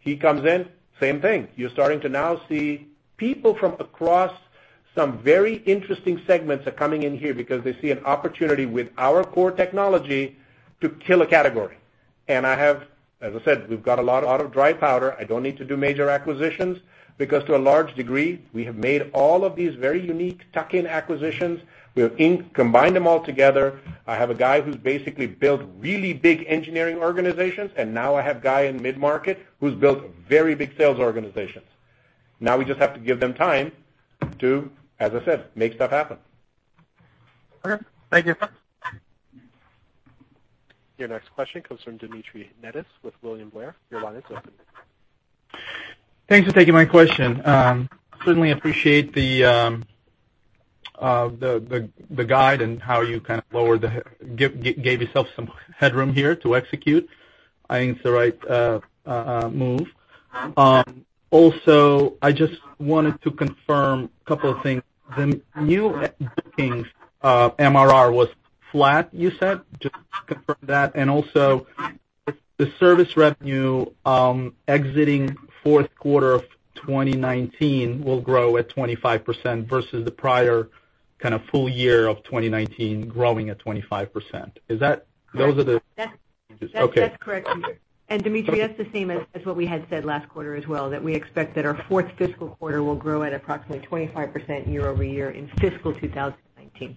He comes in, same thing. You're starting to now see people from across some very interesting segments are coming in here because they see an opportunity with our core technology to kill a category. I have, as I said, we've got a lot of dry powder. I don't need to do major acquisitions because to a large degree, we have made all of these very unique tuck-in acquisitions. We have combined them all together. I have a guy who's basically built really big engineering organizations, now I have guy in mid-market who's built very big sales organizations. We just have to give them time to, as I said, make stuff happen. Okay. Thank you. Your next question comes from Dmitry Netis with William Blair. Your line is open. Thanks for taking my question. Certainly appreciate the guide and how you kind of gave yourself some headroom here to execute. I think it's the right move. Also, I just wanted to confirm a couple of things. The new bookings MRR was flat, you said? Just to confirm that. - The service revenue exiting fourth quarter of 2019 will grow at 25% versus the prior full year of 2019 growing at 25%. Is that- Correct. Those are That's- Okay. That's correct. Dmitry, that's the same as what we had said last quarter as well, that we expect that our fourth fiscal quarter will grow at approximately 25% year-over-year in fiscal 2019.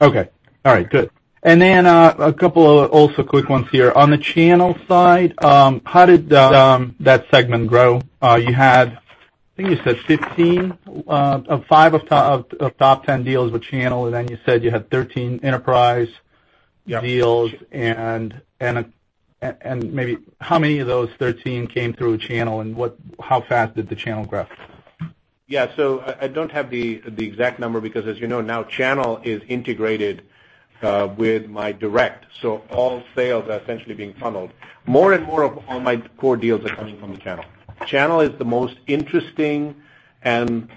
Okay. All right, good. A couple of also quick ones here. On the channel side, how did that segment grow? You had, I think you said 15 of five of top 10 deals with channel, then you said you had 13 enterprise- Yep deals maybe how many of those 13 came through channel, how fast did the channel grow? Yeah. I don't have the exact number because as you know, now channel is integrated with my direct, all sales are essentially being funneled. More and more of all my core deals are coming from the channel. Channel is the most interesting and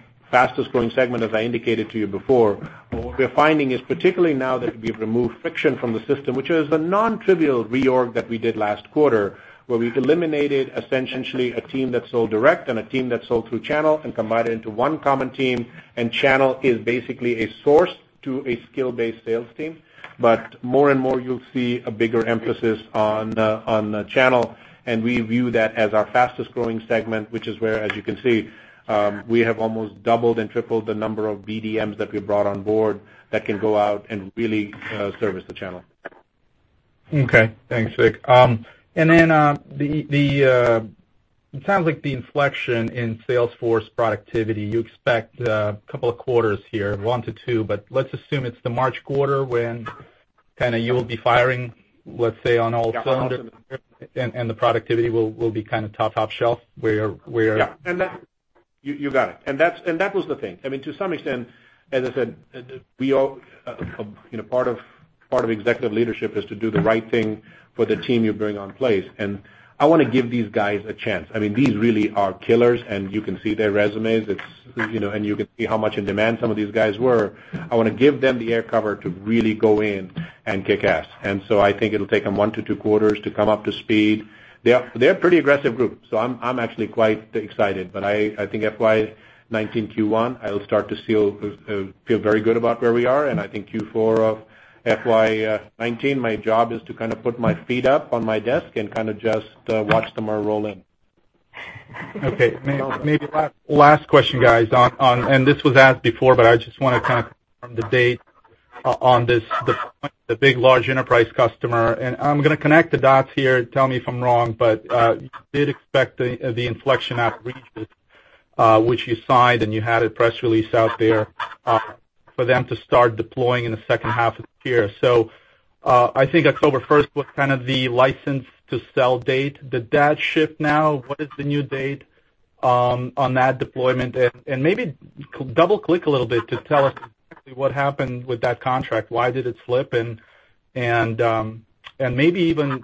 fastest growing segment, as I indicated to you before. What we're finding is, particularly now that we've removed friction from the system, which was a non-trivial reorg that we did last quarter, where we've eliminated essentially a team that sold direct and a team that sold through channel and combined it into one common team, and channel is basically a source to a skill-based sales team. More and more you'll see a bigger emphasis on the channel, and we view that as our fastest growing segment, which is where, as you can see, we have almost doubled and tripled the number of BDMs that we've brought on board that can go out and really service the channel. Okay. Thanks, Vik. It sounds like the inflection in sales force productivity, you expect a couple of quarters here, one to two, let's assume it's the March quarter when you will be firing, let's say, on all cylinders. Yeah. 100%. The productivity will be top-shelf, where Yeah. You got it. That was the thing. To some extent, as I said, part of executive leadership is to do the right thing for the team you bring on place. I want to give these guys a chance. These really are killers. You can see their resumes. You can see how much in demand some of these guys were. I want to give them the air cover to really go in and kick ass. I think it'll take them one to two quarters to come up to speed. They're a pretty aggressive group. I'm actually quite excited. I think FY 2019 Q1, I'll start to feel very good about where we are. I think Q4 of FY 2019, my job is to put my feet up on my desk and just watch the money roll in. Okay. Maybe last question, guys. This was asked before, but I just want to confirm the date on this, the big large enterprise customer. I'm going to connect the dots here. Tell me if I'm wrong. You did expect the inflection outreach, which you signed, and you had a press release out there, for them to start deploying in the second half of the year. I think October 1st was the license to sell date. Did that shift now? What is the new date on that deployment? Maybe double-click a little bit to tell us exactly what happened with that contract. Why did it slip? Maybe even,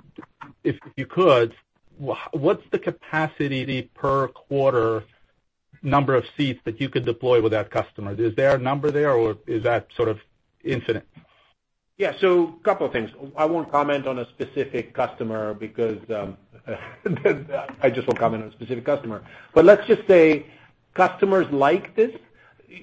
if you could, what's the capacity per quarter number of seats that you could deploy with that customer? Is there a number there, or is that sort of infinite? Yeah. A couple of things. I won't comment on a specific customer because I just won't comment on a specific customer. Let's just say customers like this.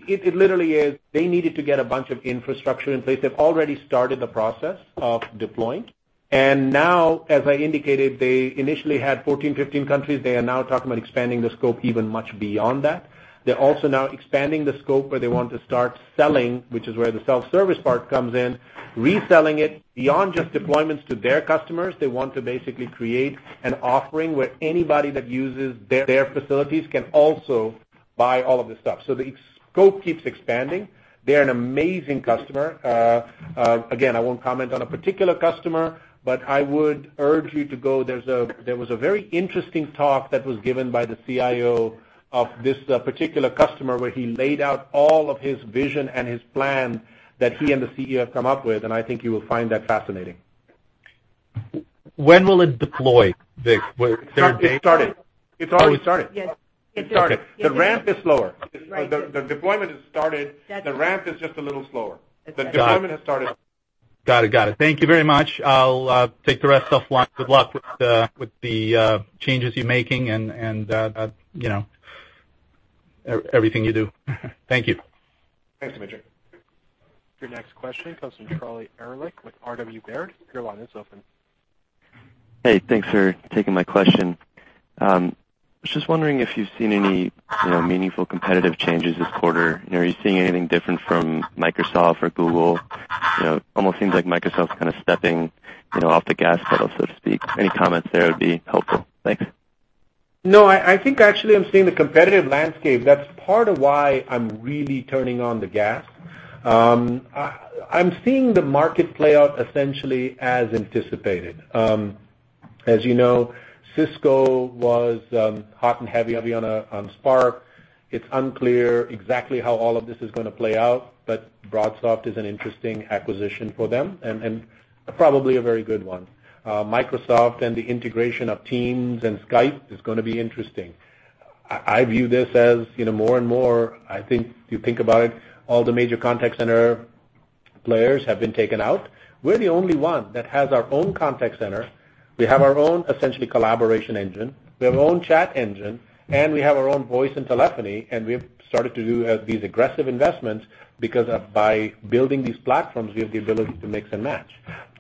It literally is they needed to get a bunch of infrastructure in place. They've already started the process of deploying. Now, as I indicated, they initially had 14, 15 countries. They are now talking about expanding the scope even much beyond that. They're also now expanding the scope where they want to start selling, which is where the self-service part comes in, reselling it beyond just deployments to their customers. They want to basically create an offering where anybody that uses their facilities can also buy all of the stuff. The scope keeps expanding. They're an amazing customer. I won't comment on a particular customer, but I would urge you to. There was a very interesting talk that was given by the CIO of this particular customer, where he laid out all of his vision and his plan that he and the CEO have come up with. I think you will find that fascinating. When will it deploy, Vik? Is there a date? It's started. Yes. It's started. The ramp is slower. Right. The deployment has started. That's it. The ramp is just a little slower. Got it. The deployment has started. Got it. Thank you very much. I'll take the rest offline. Good luck with the changes you're making and everything you do. Thank you. Thanks, Dmitry. Your next question comes from Charlie Erlikh with R.W. Baird. Your line is open. Hey, thanks for taking my question. I was just wondering if you've seen any meaningful competitive changes this quarter. Are you seeing anything different from Microsoft or Google? Almost seems like Microsoft's kind of stepping off the gas pedal, so to speak. Any comments there would be helpful. Thanks. No, I think actually I'm seeing the competitive landscape. That's part of why I'm really turning on the gas. I'm seeing the market play out essentially as anticipated. As you know, Cisco was hot and heavy on Spark. It's unclear exactly how all of this is going to play out, but BroadSoft is an interesting acquisition for them, and probably a very good one. Microsoft and the integration of Teams and Skype is going to be interesting. I view this as more and more, I think, you think about it, all the major contact center players have been taken out. We're the only one that has our own contact center. We have our own, essentially, collaboration engine. We have our own chat engine, and we have our own voice and telephony, and we have started to do these aggressive investments, because by building these platforms, we have the ability to mix and match.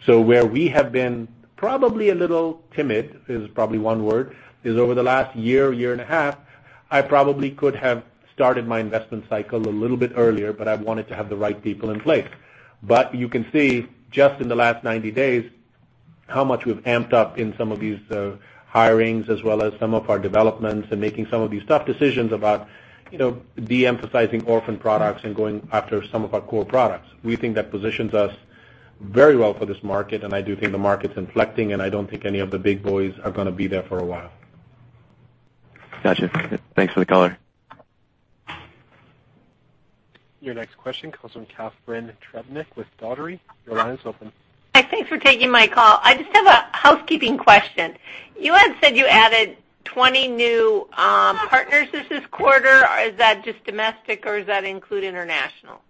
Where we have been probably a little timid, is probably one word, is over the last year and a half, I probably could have started my investment cycle a little bit earlier, but I wanted to have the right people in place. You can see just in the last 90 days how much we've amped up in some of these hirings, as well as some of our developments and making some of these tough decisions about de-emphasizing orphan products and going after some of our core products. We think that positions us very well for this market, and I do think the market's inflecting, and I don't think any of the big boys are going to be there for a while. Got you. Thanks for the color. Your next question comes from Catharine Trebnick with Dougherty. Your line is open. Hi, thanks for taking my call. I just have a housekeeping question. You had said you added 20 new partners this quarter. Is that just domestic or does that include international?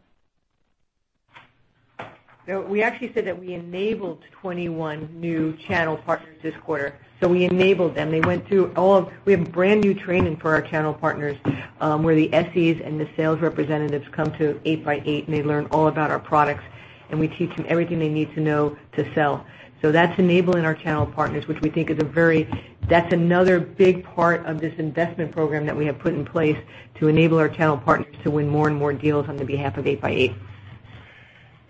No, we actually said that we enabled 21 new channel partners this quarter. We enabled them. We have brand-new training for our channel partners, where the SEs and the sales representatives come to 8x8, and they learn all about our products, and we teach them everything they need to know to sell. That's enabling our channel partners, which we think that's another big part of this investment program that we have put in place to enable our channel partners to win more and more deals on the behalf of 8x8.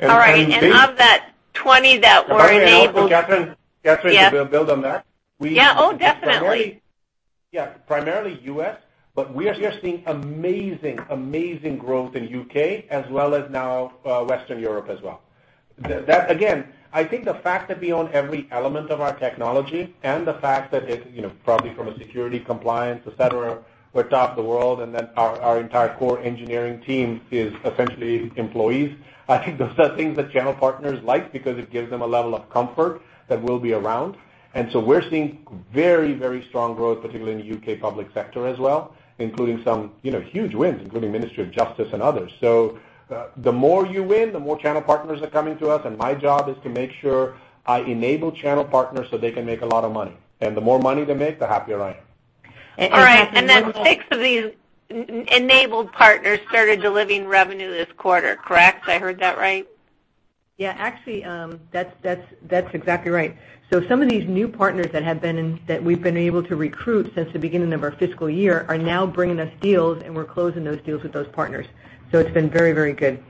All right. Of that 20 that were enabled. If I may add, Catharine, to build on that. Yeah. Oh, definitely. Yes, primarily U.S., but we are seeing amazing growth in U.K. as well as now Western Europe as well. Again, I think the fact that we own every element of our technology and the fact that it, probably from a security compliance, et cetera, we're top of the world, then our entire core engineering team is essentially employees. I think those are things that channel partners like because it gives them a level of comfort that we'll be around. We're seeing very strong growth, particularly in the U.K. public sector as well, including some huge wins, including Ministry of Justice and others. The more you win, the more channel partners are coming to us, and my job is to make sure I enable channel partners so they can make a lot of money. The more money they make, the happier I am. All right. Six of these enabled partners started delivering revenue this quarter, correct? I heard that right. Yeah, actually, that's exactly right. Some of these new partners that we've been able to recruit since the beginning of our fiscal year are now bringing us deals, and we're closing those deals with those partners. It's been very good.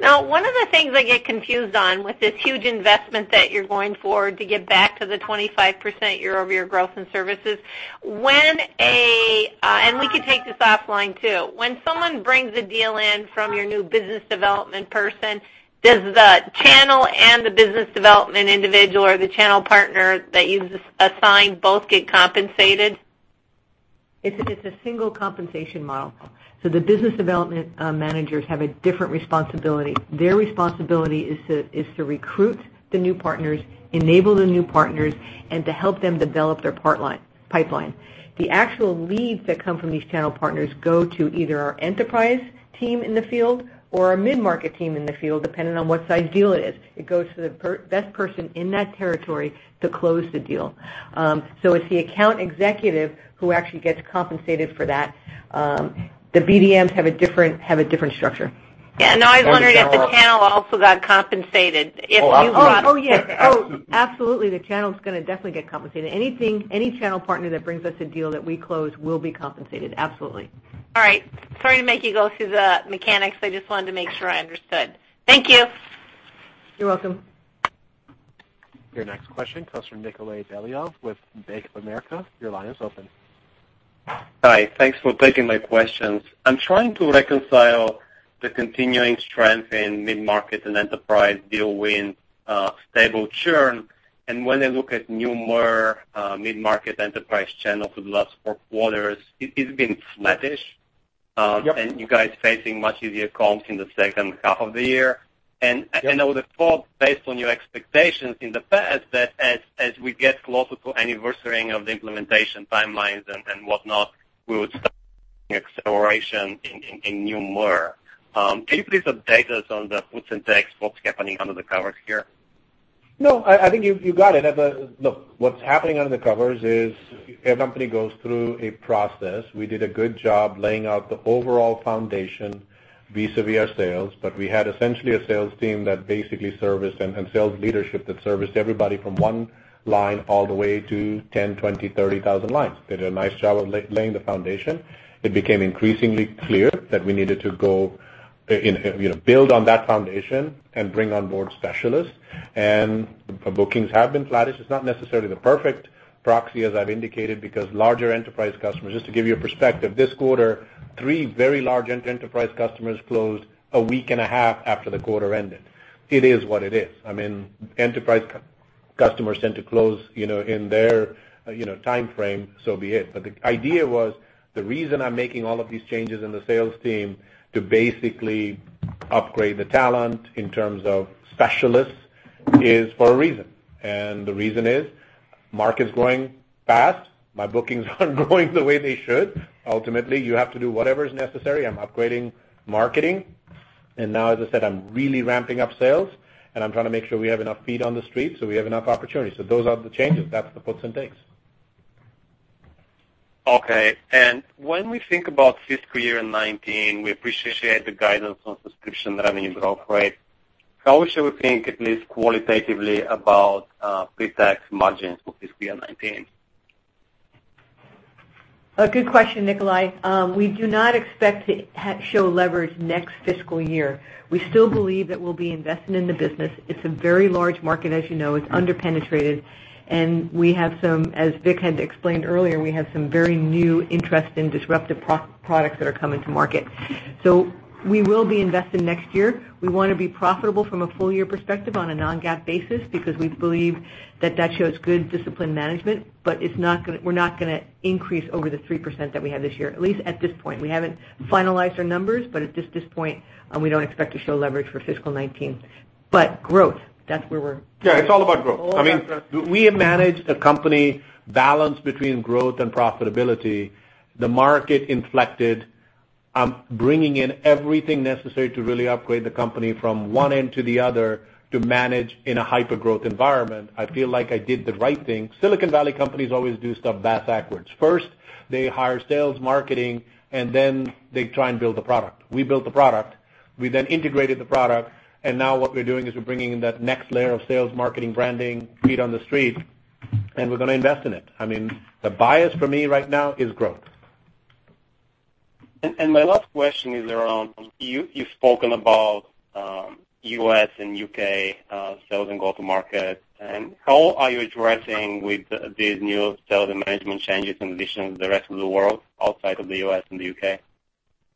One of the things I get confused on with this huge investment that you're going forward to get back to the 25% year-over-year growth in services, and we can take this offline, too. When someone brings a deal in from your new business development person, does the channel and the business development individual or the channel partner that you've assigned both get compensated? It's a single compensation model. The business development managers have a different responsibility. Their responsibility is to recruit the new partners, enable the new partners, and to help them develop their pipeline. The actual leads that come from these channel partners go to either our enterprise team in the field or our mid-market team in the field, depending on what size deal it is. It goes to the best person in that territory to close the deal. It's the account executive who actually gets compensated for that. The BDMs have a different structure. Yeah. No, I was wondering if the channel also got compensated if you brought. Oh, yes. Oh, absolutely. The channel's going to definitely get compensated. Any channel partner that brings us a deal that we close will be compensated, absolutely. All right. Sorry to make you go through the mechanics. I just wanted to make sure I understood. Thank you. You're welcome. Your next question comes from Nikolay Beliov with Bank of America. Your line is open. Hi. Thanks for taking my questions. I'm trying to reconcile the continuing strength in mid-market and enterprise deal wins, stable churn, and when I look at new MRR, mid-market enterprise channel for the last four quarters, it's been flattish. Yep. You guys facing much easier comps in the second half of the year. Yep. I would have thought, based on your expectations in the past, that as we get closer to anniversarying of the implementation timelines and whatnot, we would start seeing acceleration in new MRR. Can you please update us on the puts and takes, what's happening under the covers here? No, I think you got it. Look, what's happening under the covers is a company goes through a process. We did a good job laying out the overall foundation vis-à-vis our sales, we had essentially a sales team that basically serviced, and sales leadership that serviced everybody from one line all the way to 10, 20, 30,000 lines. Did a nice job of laying the foundation. It became increasingly clear that we needed to build on that foundation and bring on board specialists. Bookings have been flattish. It's not necessarily the perfect proxy, as I've indicated, because larger enterprise customers. Just to give you a perspective, this quarter, three very large enterprise customers closed a week and a half after the quarter ended. It is what it is. Enterprise customers tend to close in their timeframe, so be it. The idea was the reason I'm making all of these changes in the sales team to basically upgrade the talent in terms of specialists is for a reason. The reason is market's growing fast. My bookings aren't growing the way they should. Ultimately, you have to do whatever's necessary. I'm upgrading marketing, now, as I said, I'm really ramping up sales, I'm trying to make sure we have enough feet on the street, we have enough opportunities. Those are the changes. That's the puts and takes. Okay. When we think about fiscal year 2019, we appreciate the guidance on subscription revenue growth rate. How should we think, at least qualitatively, about pre-tax margins for fiscal year 2019? A good question, Nikolay. We do not expect to show leverage next fiscal year. We still believe that we'll be investing in the business. It's a very large market, as you know. It's under-penetrated, we have some, as Vik had explained earlier, we have some very new interest in disruptive products that are coming to market. We will be investing next year. We want to be profitable from a full-year perspective on a non-GAAP basis because we believe that that shows good discipline management, we're not going to increase over the 3% that we had this year, at least at this point. We haven't finalized our numbers, at this point, we don't expect to show leverage for fiscal 2019. Growth, that's where we're. Yeah, it's all about growth. It's all about growth. We have managed a company balance between growth and profitability. The market inflected. I'm bringing in everything necessary to really upgrade the company from one end to the other to manage in a hyper-growth environment. I feel like I did the right thing. Silicon Valley companies always do stuff backwards. First, they hire sales, marketing, and then they try and build the product. We built the product. We then integrated the product, and now what we're doing is we're bringing in that next layer of sales, marketing, branding, feet on the street, and we're going to invest in it. The bias for me right now is growth. My last question is around, you've spoken about U.S. and U.K. sales and go-to-market. How are you addressing with these new sales and management changes in addition to the rest of the world outside of the U.S. and the U.K.?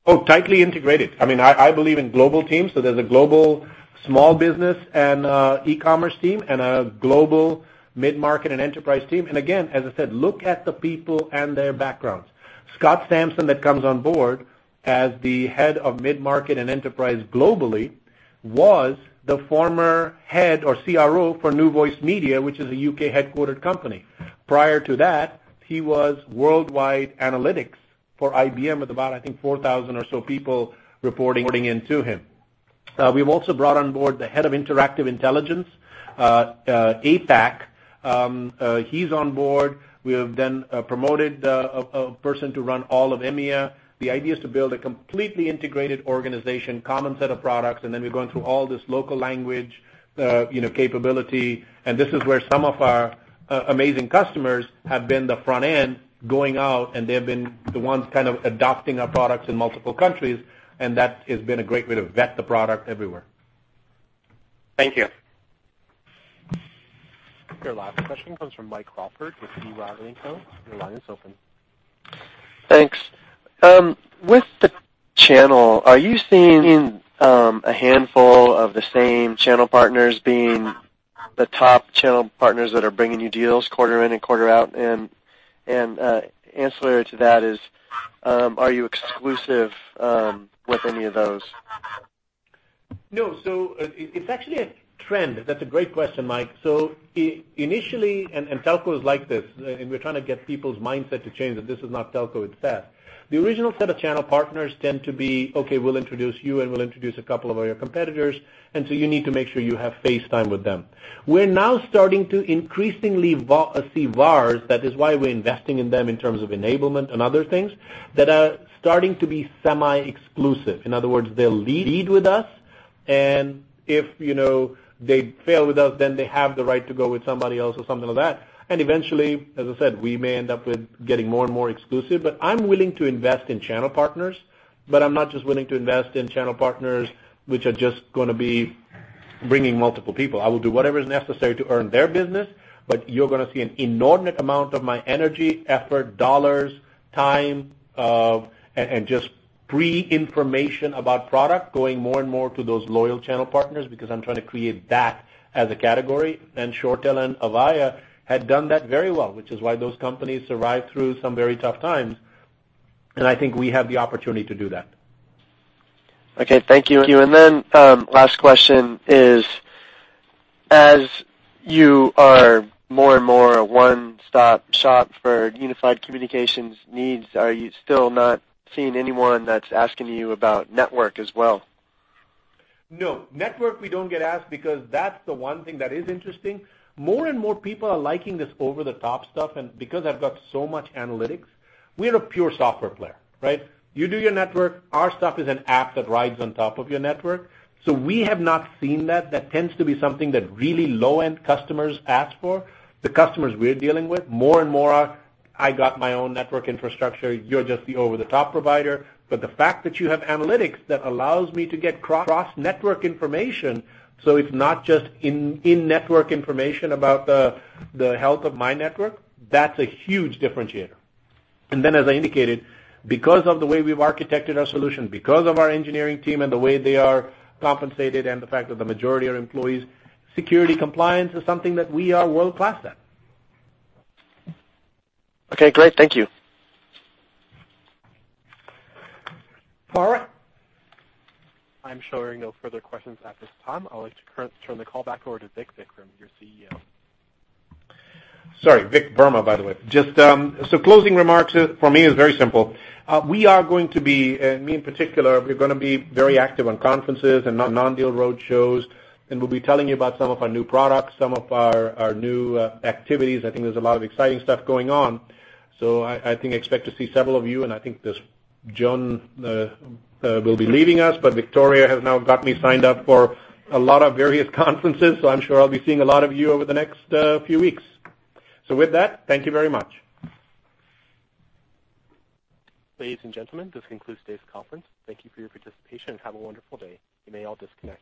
Oh, tightly integrated. I believe in global teams. There's a global small business and e-commerce team and a global mid-market and enterprise team. Again, as I said, look at the people and their backgrounds. Scott Sampson, that comes on board as the head of mid-market and enterprise globally, was the former head or CRO for NewVoiceMedia, which is a U.K.-headquartered company. Prior to that, he was worldwide analytics for IBM with about, I think, 4,000 or so people reporting into him. We've also brought on board the head of Interactive Intelligence, APAC. He's on board. We have promoted a person to run all of EMEA. The idea is to build a completely integrated organization, common set of products, and then we're going through all this local language capability. This is where some of our amazing customers have been the front end going out, and they have been the ones kind of adopting our products in multiple countries, and that has been a great way to vet the product everywhere. Thank you. Your last question comes from Mike Crawford with B. Riley Securities. Your line is open. Thanks. With the channel, are you seeing a handful of the same channel partners being the top channel partners that are bringing you deals quarter in and quarter out? Ancillary to that is, are you exclusive with any of those? No. It's actually a trend. That's a great question, Mike. Initially, and telco is like this, and we're trying to get people's mindset to change that this is not telco, it's SaaS. The original set of channel partners tend to be, okay, we'll introduce you, and we'll introduce a couple of your competitors, and so you need to make sure you have face time with them. We're now starting to increasingly see VARs, that is why we're investing in them in terms of enablement and other things, that are starting to be semi-exclusive. In other words, they'll lead with us, and if they fail with us, then they have the right to go with somebody else or something like that. Eventually, as I said, we may end up with getting more and more exclusive. I'm willing to invest in channel partners, but I'm not just willing to invest in channel partners which are just going to be bringing multiple people. I will do whatever is necessary to earn their business, but you're going to see an inordinate amount of my energy, effort, dollars, time, and just free information about product going more and more to those loyal channel partners because I'm trying to create that as a category. ShoreTel and Avaya had done that very well, which is why those companies survived through some very tough times. I think we have the opportunity to do that. Okay. Thank you. Last question is, as you are more and more a one-stop shop for unified communications needs, are you still not seeing anyone that's asking you about network as well? No. Network, we don't get asked, because that's the one thing that is interesting. More and more people are liking this over-the-top stuff. Because I've got so much analytics, we're a pure software player, right? You do your network. Our stuff is an app that rides on top of your network. We have not seen that. That tends to be something that really low-end customers ask for. The customers we're dealing with more and more are, "I got my own network infrastructure. You're just the over-the-top provider." The fact that you have analytics that allows me to get cross-network information, so it's not just in-network information about the health of my network, that's a huge differentiator. Then, as I indicated, because of the way we've architected our solution, because of our engineering team and the way they are compensated, and the fact that the majority are employees, security compliance is something that we are world-class at. Okay, great. Thank you. Laura? I'm showing no further questions at this time. I'd like to turn the call back over to Vik, Vikram, your CEO. Sorry, Vik Verma, by the way. Closing remarks for me is very simple. Me in particular, we're going to be very active on conferences and non-deal roadshows, and we'll be telling you about some of our new products, some of our new activities. I think there's a lot of exciting stuff going on. I think expect to see several of you, and I think there's Joan will be leaving us, but Victoria has now got me signed up for a lot of various conferences, so I'm sure I'll be seeing a lot of you over the next few weeks. With that, thank you very much. Ladies and gentlemen, this concludes today's conference. Thank you for your participation, and have a wonderful day. You may all disconnect.